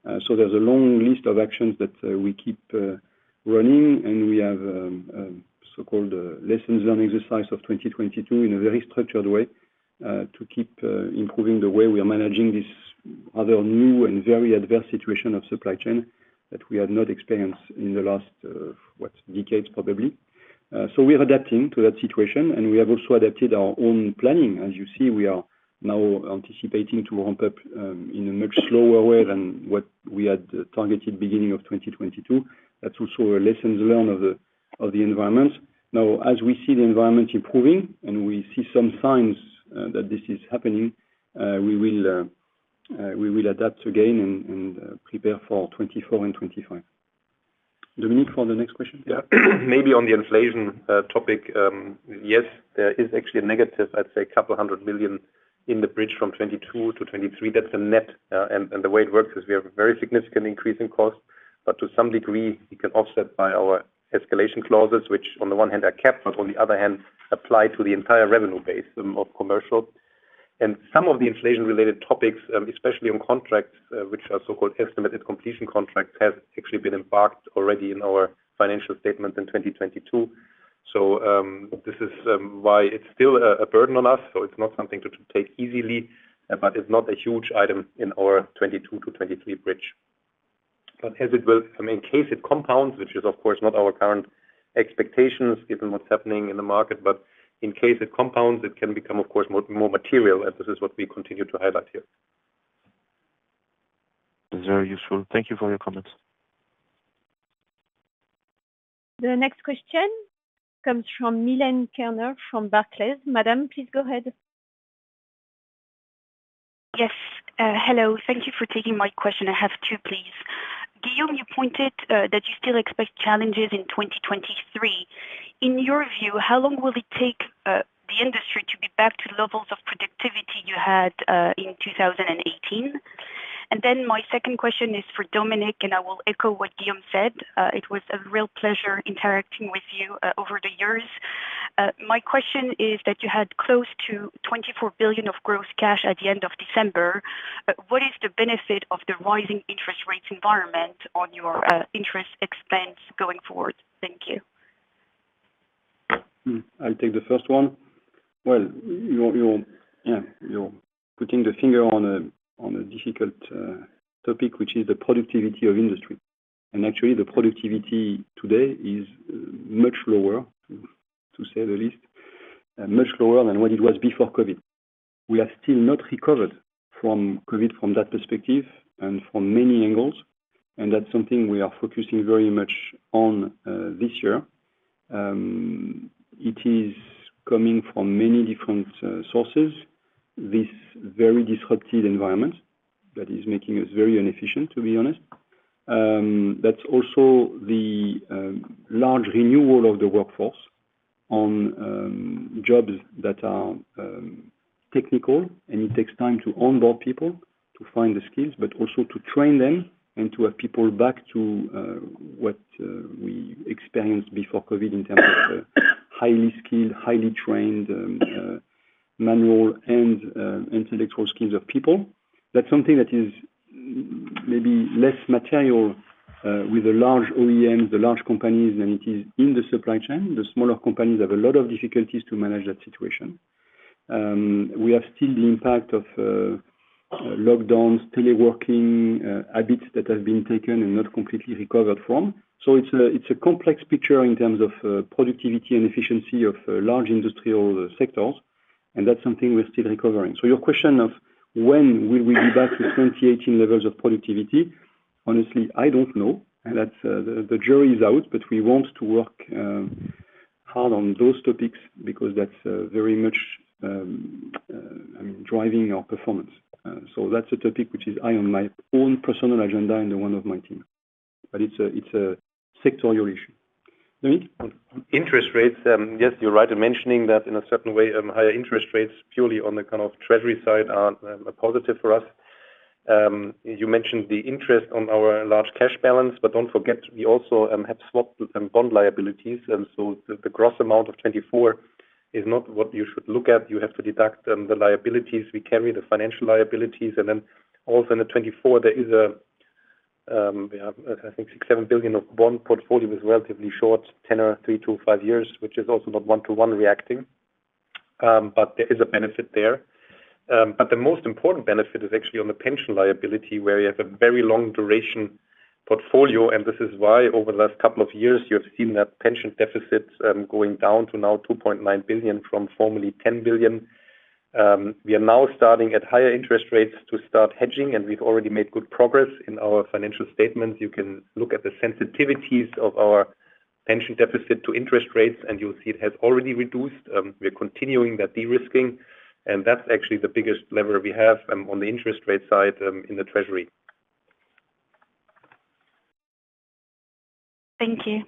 There's a long list of actions that we keep running, and we have so-called lessons learned exercise of 2022 in a very structured way to keep improving the way we are managing this other new and very adverse situation of supply chain that we had not experienced in the last, what, decades, probably. We are adapting to that situation, and we have also adapted our own planning. As you see, we are now anticipating to ramp up in a much slower way than what we had targeted beginning of 2022. That's also a lessons learned of the environment. As we see the environment improving and we see some signs that this is happening, we will adapt again and prepare for 2024 and 2025. Dominik, for the next question. Yeah. Maybe on the inflation topic. Yes, there is actually a negative, I'd say a couple hundred million in the bridge from 2022 to 2023. That's a net. The way it works is we have a very significant increase in cost. To some degree, we can offset by our escalation clauses, which on the one hand are capped, but on the other hand, apply to the entire revenue base of commercial. Some of the inflation-related topics, especially on contracts, which are so-called estimated completion contracts, have actually been embarked already in our financial statement in 2022. This is why it's still a burden on us, so it's not something to take easily, but it's not a huge item in our 2022 to 2023 bridge. I mean, in case it compounds, which is of course not our current expectations given what's happening in the market, but in case it compounds, it can become, of course, more material, and this is what we continue to highlight here. It's very useful. Thank you for your comments. The next question comes from Milène Kerner from Barclays. Madam, please go ahead. Yes. Hello. Thank you for taking my question. I have two, please. Guillaume, you pointed that you still expect challenges in 2023. In your view, how long will it take the industry to be back to levels of productivity you had in 2018? My second question is for Dominik, and I will echo what Guillaume said. It was a real pleasure interacting with you over the years. My question is that you had close to 24 billion of gross cash at the end of December. What is the benefit of the rising interest rates environment on your interest expense going forward? Thank you. I'll take the first one. Well, you're, yeah, you're putting the finger on a difficult topic, which is the productivity of industry. Actually, the productivity today is much lower, to say the least, much lower than what it was before COVID. We are still not recovered from COVID from that perspective and from many angles. That's something we are focusing very much on this year. It is coming from many different sources, this very disrupted environment that is making us very inefficient, to be honest. That's also the large renewal of the workforce on jobs that are technical, and it takes time to onboard people to find the skills, but also to train them and to have people back to what we experienced before COVID in terms of highly skilled, highly trained manual and intellectual skills of people. That's something that is maybe less material with the large OEMs, the large companies, than it is in the supply chain. The smaller companies have a lot of difficulties to manage that situation. We have still the impact of lockdowns, teleworking habits that have been taken and not completely recovered from. It's a complex picture in terms of productivity and efficiency of large industrial sectors, and that's something we're still recovering. Your question of when will we be back to 2018 levels of productivity, honestly, I don't know. That's the jury is out, but we want to work hard on those topics because that's very much, I mean, driving our performance. That's a topic which is high on my own personal agenda and the one of my team. It's a, it's a sectorial issue. Dominik? Interest rates, yes, you're right in mentioning that in a certain way, higher interest rates purely on the kind of treasury side aren't a positive for us. You mentioned the interest on our large cash balance, but don't forget, we also have swapped with them bond liabilities, and so the gross amount of 24 billion is not what you should look at. You have to deduct the liabilities we carry, the financial liabilities, and then also in the 24 billion, there is a 6, 7 billion of bond portfolio is relatively short, 10 or 3-5 years, which is also not one-to-one reacting. There is a benefit there. The most important benefit is actually on the pension liability, where we have a very long duration portfolio. This is why over the last couple of years, you have seen that pension deficit going down to now 2.9 billion from formerly 10 billion. We are now starting at higher interest rates to start hedging, and we've already made good progress. In our financial statement, you can look at the sensitivities of our pension deficit to interest rates, and you'll see it has already reduced. We're continuing that de-risking, and that's actually the biggest lever we have on the interest rate side in the treasury. Thank you.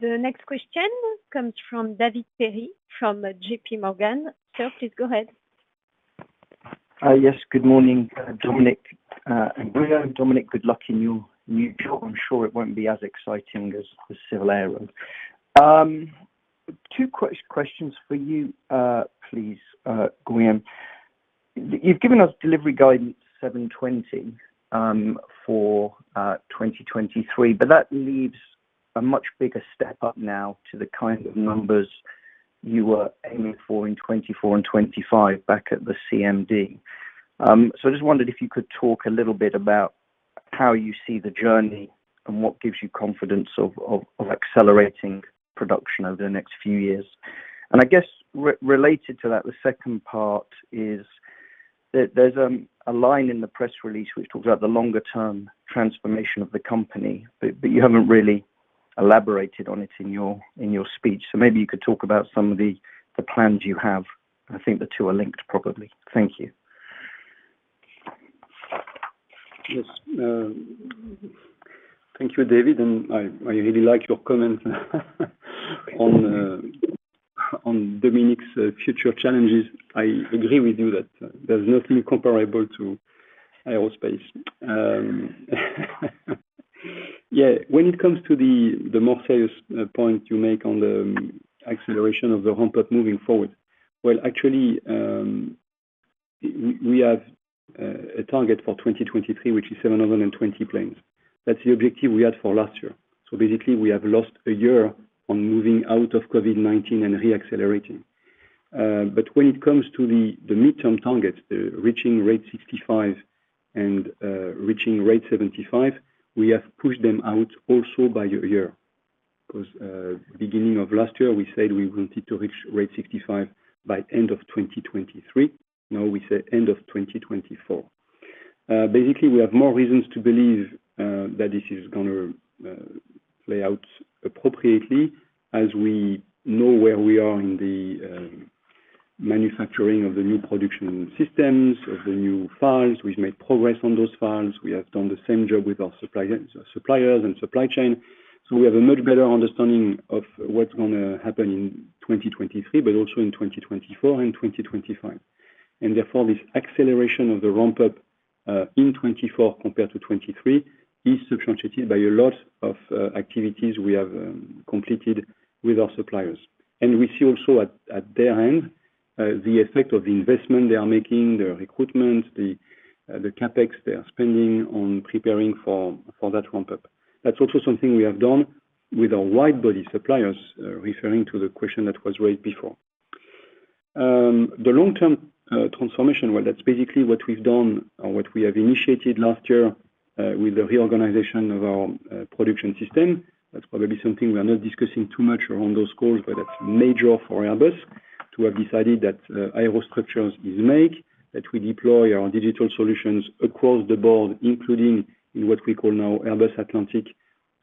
The next question comes from David Perry from JPMorgan. Sir, please go ahead. Yes. Good morning, Dominik, and Guillaume. Dominik, good luck in your new job. I'm sure it won't be as exciting as the civil airline. Two questions for you, please, Guillaume. You've given us delivery guidance 720 for 2023, but that leaves a much bigger step up now to the kind of numbers you were aiming for in 2024 and 2025 back at the CMD. I just wondered if you could talk a little bit about how you see the journey and what gives you confidence of accelerating production over the next few years. I guess related to that, the second part is there's a line in the press release which talks about the longer term transformation of the company, but you haven't really elaborated on it in your, in your speech. Maybe you could talk about some of the plans you have. I think the two are linked, probably. Thank you. Yes. Thank you, David, I really like your comment on Dominik's future challenges. I agree with you that there's nothing comparable to aerospace. When it comes to the more serious point you make on the acceleration of the ramp up moving forward, well, actually, we have a target for 2023, which is 720 planes. That's the objective we had for last year. Basically, we have lost a year on moving out of COVID-19 and re-accelerating. When it comes to the midterm target, reaching rate 65 and reaching rate 75, we have pushed them out also by a year. 'Cause beginning of last year, we said we wanted to reach rate 65 by end of 2023. Now we say end of 2024. Basically, we have more reasons to believe that this is gonna play out appropriately as we know where we are in the manufacturing of the new production systems, of the new files. We've made progress on those files. We have done the same job with our suppliers and supply chain. We have a much better understanding of what's gonna happen in 2023, but also in 2024 and 2025. Therefore, this acceleration of the ramp-up in 2024 compared to 2023 is substantiated by a lot of activities we have completed with our suppliers. We see also at their end the effect of the investment they are making, their recruitment, the CapEx they are spending on preparing for that ramp-up. That's also something we have done with our widebody suppliers, referring to the question that was raised before. The long-term transformation, well, that's basically what we've done or what we have initiated last year with the reorganization of our production system. That's probably something we are not discussing too much around those calls, but that's major for Airbus to have decided that Aerostructures is make, that we deploy our digital solutions across the board, including in what we call now Airbus Atlantic,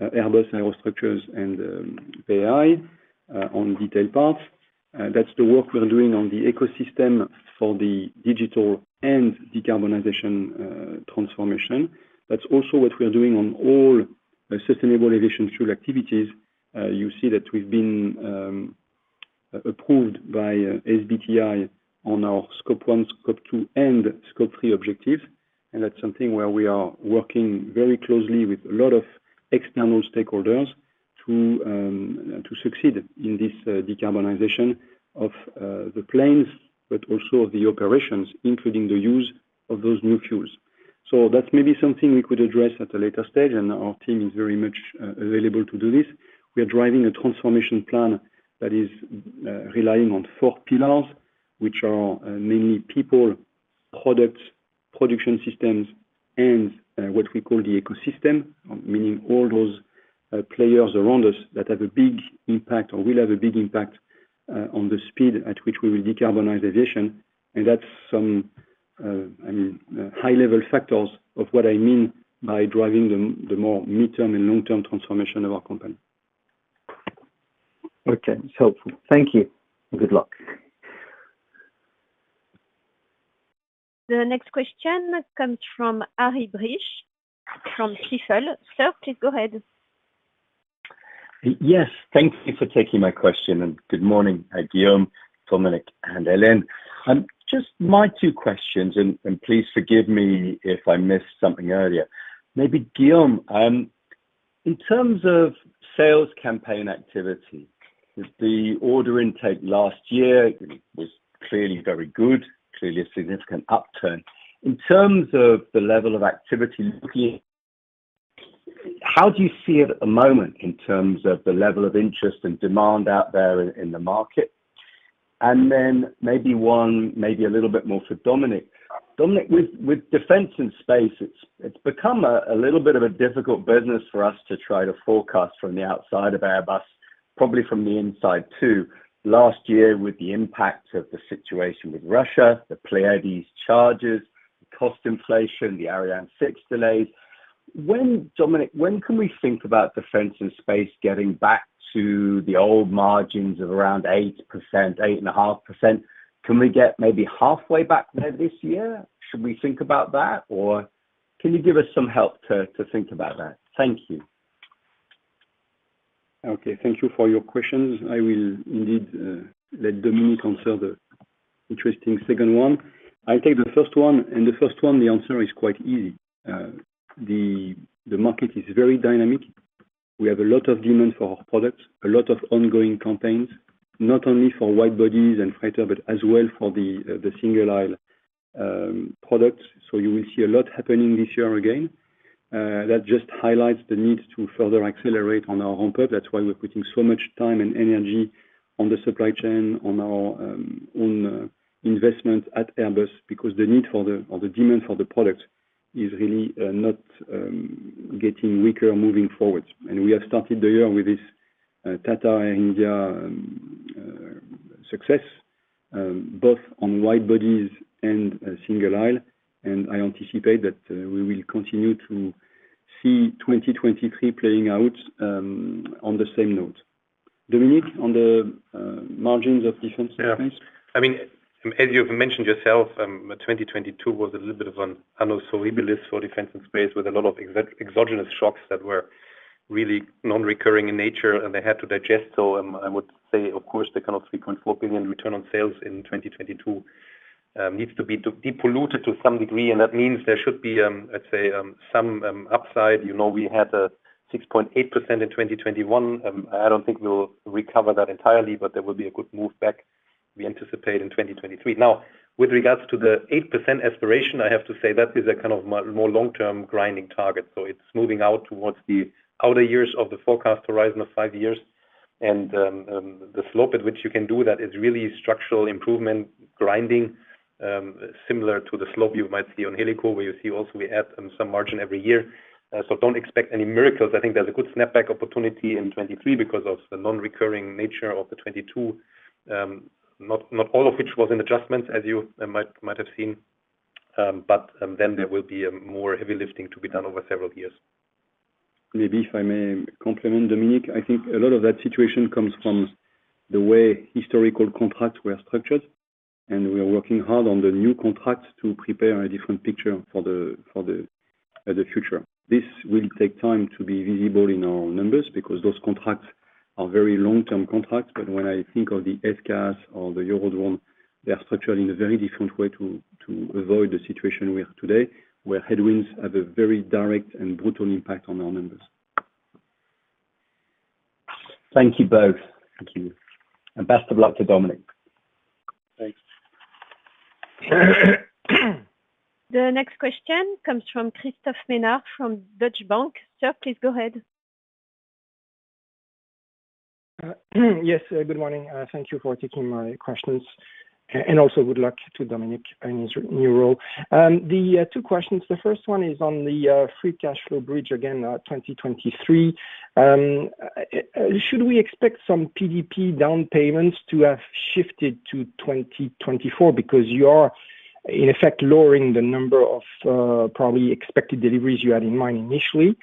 Airbus Aerostructures, and AI on detailed parts. That's the work we are doing on the ecosystem for the digital and decarbonization transformation. That's also what we are doing on all Sustainable Aviation Fuel activities. You see that we've been approved by SBTi on our Scope 1, Scope 2, and Scope 3 objectives. That's something where we are working very closely with a lot of external stakeholders to succeed in this decarbonization of the planes, but also of the operations, including the use of those new fuels. That's maybe something we could address at a later stage. Our team is very much available to do this. We are driving a transformation plan that is relying on four pillars, which are mainly people, products, production systems, and what we call the ecosystem, meaning all those players around us that have a big impact or will have a big impact on the speed at which we will decarbonize aviation, and that's some, I mean, high-level factors of what I mean by driving the more midterm and long-term transformation of our company. Okay. It's helpful. Thank you. Good luck. The next question comes from Harry Breach, from Stifel. Sir, please go ahead. Yes. Thank you for taking my question. Good morning, Guillaume, Dominik, and Hélène. Just my two questions. Please forgive me if I missed something earlier. Maybe Guillaume, in terms of sales campaign activity, because the order intake last year was clearly very good, clearly a significant upturn. In terms of the level of activity looking, how do you see it at the moment in terms of the level of interest and demand out there in the market? Then maybe one a little bit more for Dominik. Dominik, with Defence and Space, it's become a little bit of a difficult business for us to try to forecast from the outside of Airbus, probably from the inside too. Last year, with the impact of the situation with Russia, the Pléiades charges, cost inflation, the Ariane 6 delays, when, Dominik, when can we think about Defense and Space getting back to the old margins of around 8%, 8.5%? Can we get maybe halfway back there this year? Should we think about that? Can you give us some help to think about that? Thank you. Okay. Thank you for your questions. I will indeed let Dominik answer the interesting second one. I'll take the first one, and the first one, the answer is quite easy. The market is very dynamic. We have a lot of demand for our products, a lot of ongoing campaigns, not only for widebodies and freighter, but as well for the single aisle products. You will see a lot happening this year again. That just highlights the need to further accelerate on our ramp-up. That's why we're putting so much time and energy on the supply chain, on our on investment at Airbus, because the demand for the product is really not getting weaker moving forward. We have started the year with this, Tata India success, both on widebodies and single aisle, and I anticipate that we will continue to see 2023 playing out on the same note. Dominik, on the margins of Defense and Space? Yeah. I mean, as you've mentioned yourself, 2022 was a little bit of an annus horribilis for Defense and Space, with a lot of exogenous shocks that were really non-recurring in nature, and they had to digest. I would say, of course, the kind of 3.4 billion return on sales in 2022 needs to be depolluted to some degree, and that means there should be, let's say, some upside. You know, we had a 6.8% in 2021. I don't think we'll recover that entirely, but there will be a good move back, we anticipate in 2023. Now, with regards to the 8% aspiration, I have to say that is a kind of more long-term grinding target. It's moving out towards the outer years of the forecast horizon of five years. The slope at which you can do that is really structural improvement grinding, similar to the slope you might see on Helico, where you see also we add some margin every year. Don't expect any miracles. I think there's a good snapback opportunity in 2023 because of the non-recurring nature of the 2022, not all of which was an adjustment, as you might have seen. There will be a more heavy lifting to be done over several years. Maybe if I may complement Dominik, I think a lot of that situation comes from the way historical contracts were structured, and we are working hard on the new contracts to prepare a different picture for the future. This will take time to be visible in our numbers because those contracts are very long-term contracts, but when I think of the FCAS or the Eurodrone, they are structured in a very different way to avoid the situation we have today, where headwinds have a very direct and brutal impact on our members. Thank you both. Thank you. Best of luck to Dominik. Thanks. The next question comes from Christophe Menard from Deutsche Bank. Sir, please go ahead. Yes, good morning. Thank you for taking my questions, also good luck to Dominik in his new role. two questions. The 1st one is on the free cash flow bridge again, 2023. Should we expect some PDP down payments to have shifted to 2024? You are, in effect, lowering the number of probably expected deliveries you had in mind initially.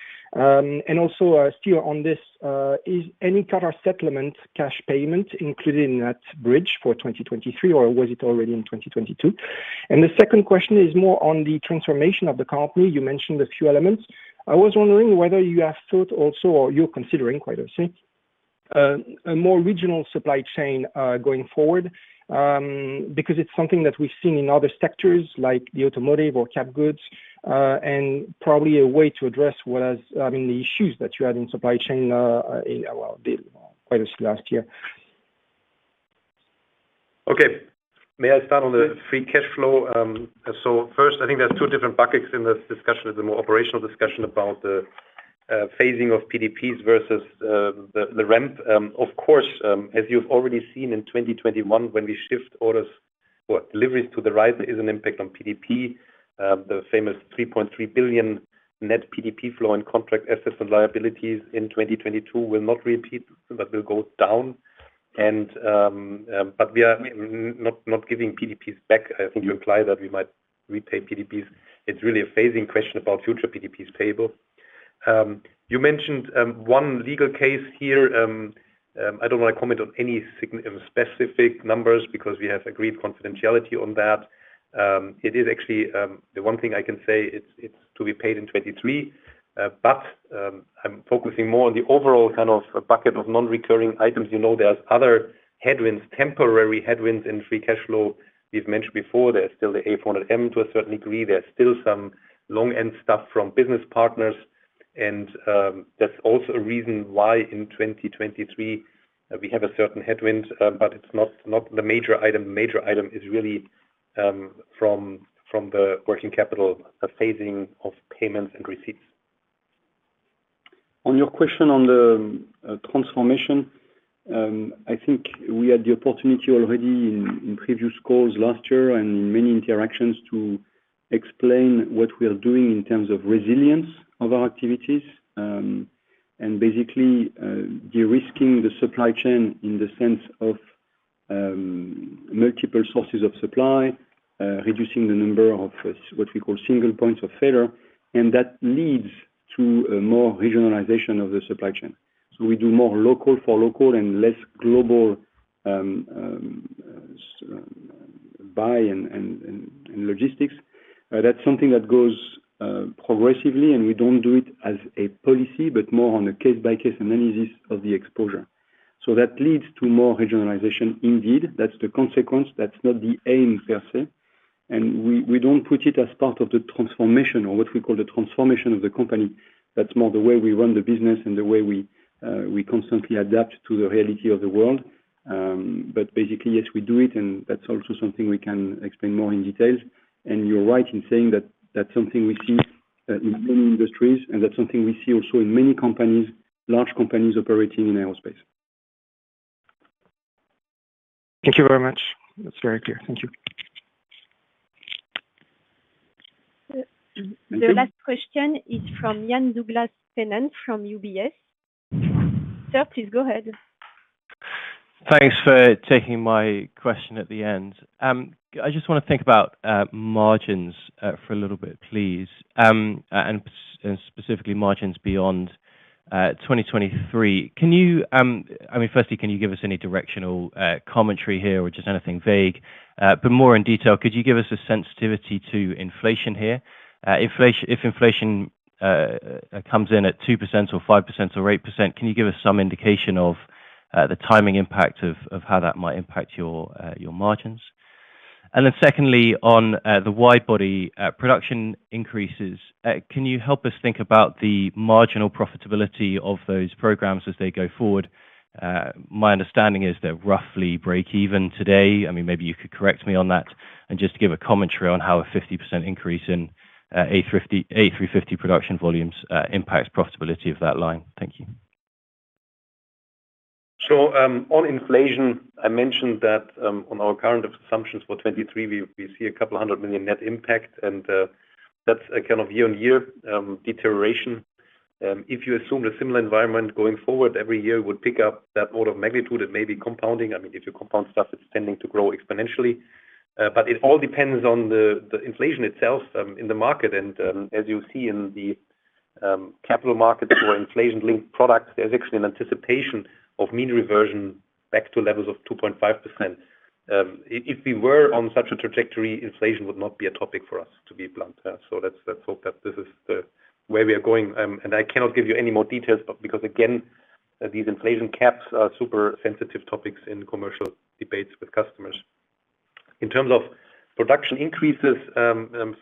Is any Qatar settlement cash payment included in that bridge for 2023, or was it already in 2022? The 2nd question is more on the transformation of the company. You mentioned a few elements. I was wondering whether you have thought also, or you're considering, quite honestly, a more regional supply chain, going forward, because it's something that we've seen in other sectors, like the automotive or cap goods, and probably a way to address I mean, the issues that you had in supply chain, in, well, the quite of last year. Okay. May I start on the free cash flow? First, I think there's two different buckets in this discussion. There's a more operational discussion about the phasing of PDPs versus the ramp. Of course, as you've already seen in 2021, when we shift orders for deliveries to the right, there is an impact on PDP. The famous 3.3 billion net PDP flow and contract assets and liabilities in 2022 will not repeat. That will go down. We are not giving PDPs back. I think you imply that we might repay PDPs. It's really a phasing question about future PDPs payable. You mentioned on two legal case here. I don't wanna comment on any specific numbers because we have agreed confidentiality on that. It is actually the one thing I can say it's to be paid in 2023, but I'm focusing more on the overall kind of bucket of non-recurring items. You know, there's other headwinds, temporary headwinds in free cash flow. We've mentioned before there's still the A400M to a certain degree. There's still some long-end stuff from business partners. That's also a reason why in 2023, we have a certain headwind, but it's not the major item. Major item is really from the working capital, the phasing of payments and receipts. On your question on the transformation, I think we had the opportunity already in previous calls last year and in many interactions to explain what we are doing in terms of resilience of our activities, and basically de-risking the supply chain in the sense of multiple sources of supply, reducing the number of what we call single points of failure, and that leads to a more regionalization of the supply chain. We do more local for local and less global buy and logistics. That's something that goes progressively, and we don't do it as a policy, but more on a case-by-case analysis of the exposure. That leads to more regionalization indeed. That's the consequence. That's not the aim per se. We don't put it as part of the transformation or what we call the transformation of the company. That's more the way we run the business and the way we constantly adapt to the reality of the world. Basically, yes, we do it, and that's also something we can explain more in details. You're right in saying that that's something we see in many industries, and that's something we see also in many companies, large companies operating in aerospace. Thank you very much. That's very clear. Thank you. The last question is from Ian Douglas-Pennant from UBS. Sir, please go ahead. Thanks for taking my question at the end. I just wanna think about margins for a little bit, please, and specifically margins beyond 2023. Can you, I mean, firstly, can you give us any directional commentary here, which is anything vague, but more in detail, could you give us a sensitivity to inflation here? If inflation comes in at 2% or 5% or 8%, can you give us some indication of the timing impact of how that might impact your margins? Secondly, on the wide body production increases, can you help us think about the marginal profitability of those programs as they go forward? My understanding is they're roughly break even today. I mean, maybe you could correct me on that. Just to give a commentary on how a 50% increase in A350 production volumes impacts profitability of that line. Thank you. On inflation, I mentioned that on our current assumptions for 2023, we see a couple hundred million EUR net impact, that's a kind of year-over-year deterioration. If you assume a similar environment going forward every year would pick up that order of magnitude, it may be compounding. I mean, if you compound stuff, it's tending to grow exponentially. It all depends on the inflation itself in the market. As you see in the capital markets for inflation-linked products, there's actually an anticipation of mean reversion back to levels of 2.5%. If we were on such a trajectory, inflation would not be a topic for us, to be blunt. Let's hope that this is the way we are going. I cannot give you any more details, but because, again, these inflation caps are super sensitive topics in commercial debates with customers. In terms of production increases,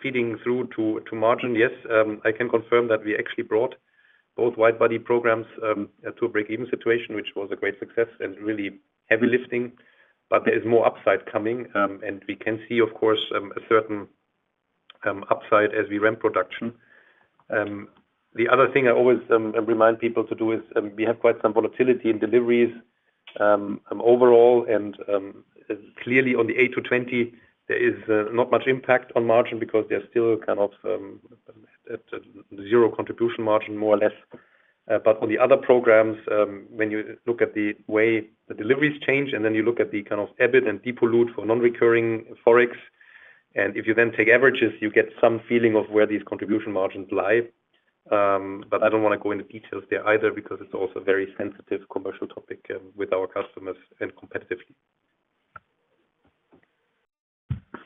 feeding through to margin, yes, I can confirm that we actually brought both wide body programs to a break-even situation, which was a great success and really heavy lifting. There is more upside coming, and we can see, of course, a certain upside as we ramp production. The other thing I always remind people to do is, we have quite some volatility in deliveries overall. Clearly on the A220, there is not much impact on margin because they're still kind of zero contribution margin, more or less. On the other programs, when you look at the way the deliveries change, and then you look at the kind of EBIT and depollute for non-recurring Forex, and if you then take averages, you get some feeling of where these contribution margins lie. I don't wanna go into details there either because it's also a very sensitive commercial topic with our customers and competitively.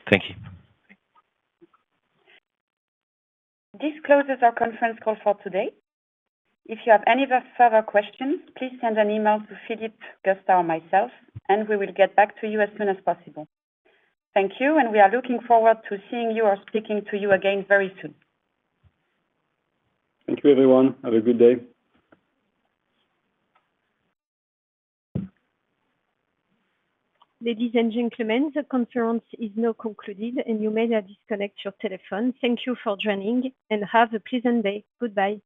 Thank you. This closes our conference call for today. If you have any further questions, please send an email to Philip, Gustav, or myself, and we will get back to you as soon as possible. Thank you, and we are looking forward to seeing you or speaking to you again very soon. Thank you, everyone. Have a good day. Ladies and gentlemen, the conference is now concluded. You may now disconnect your telephone. Thank you for joining. Have a pleasant day. Goodbye.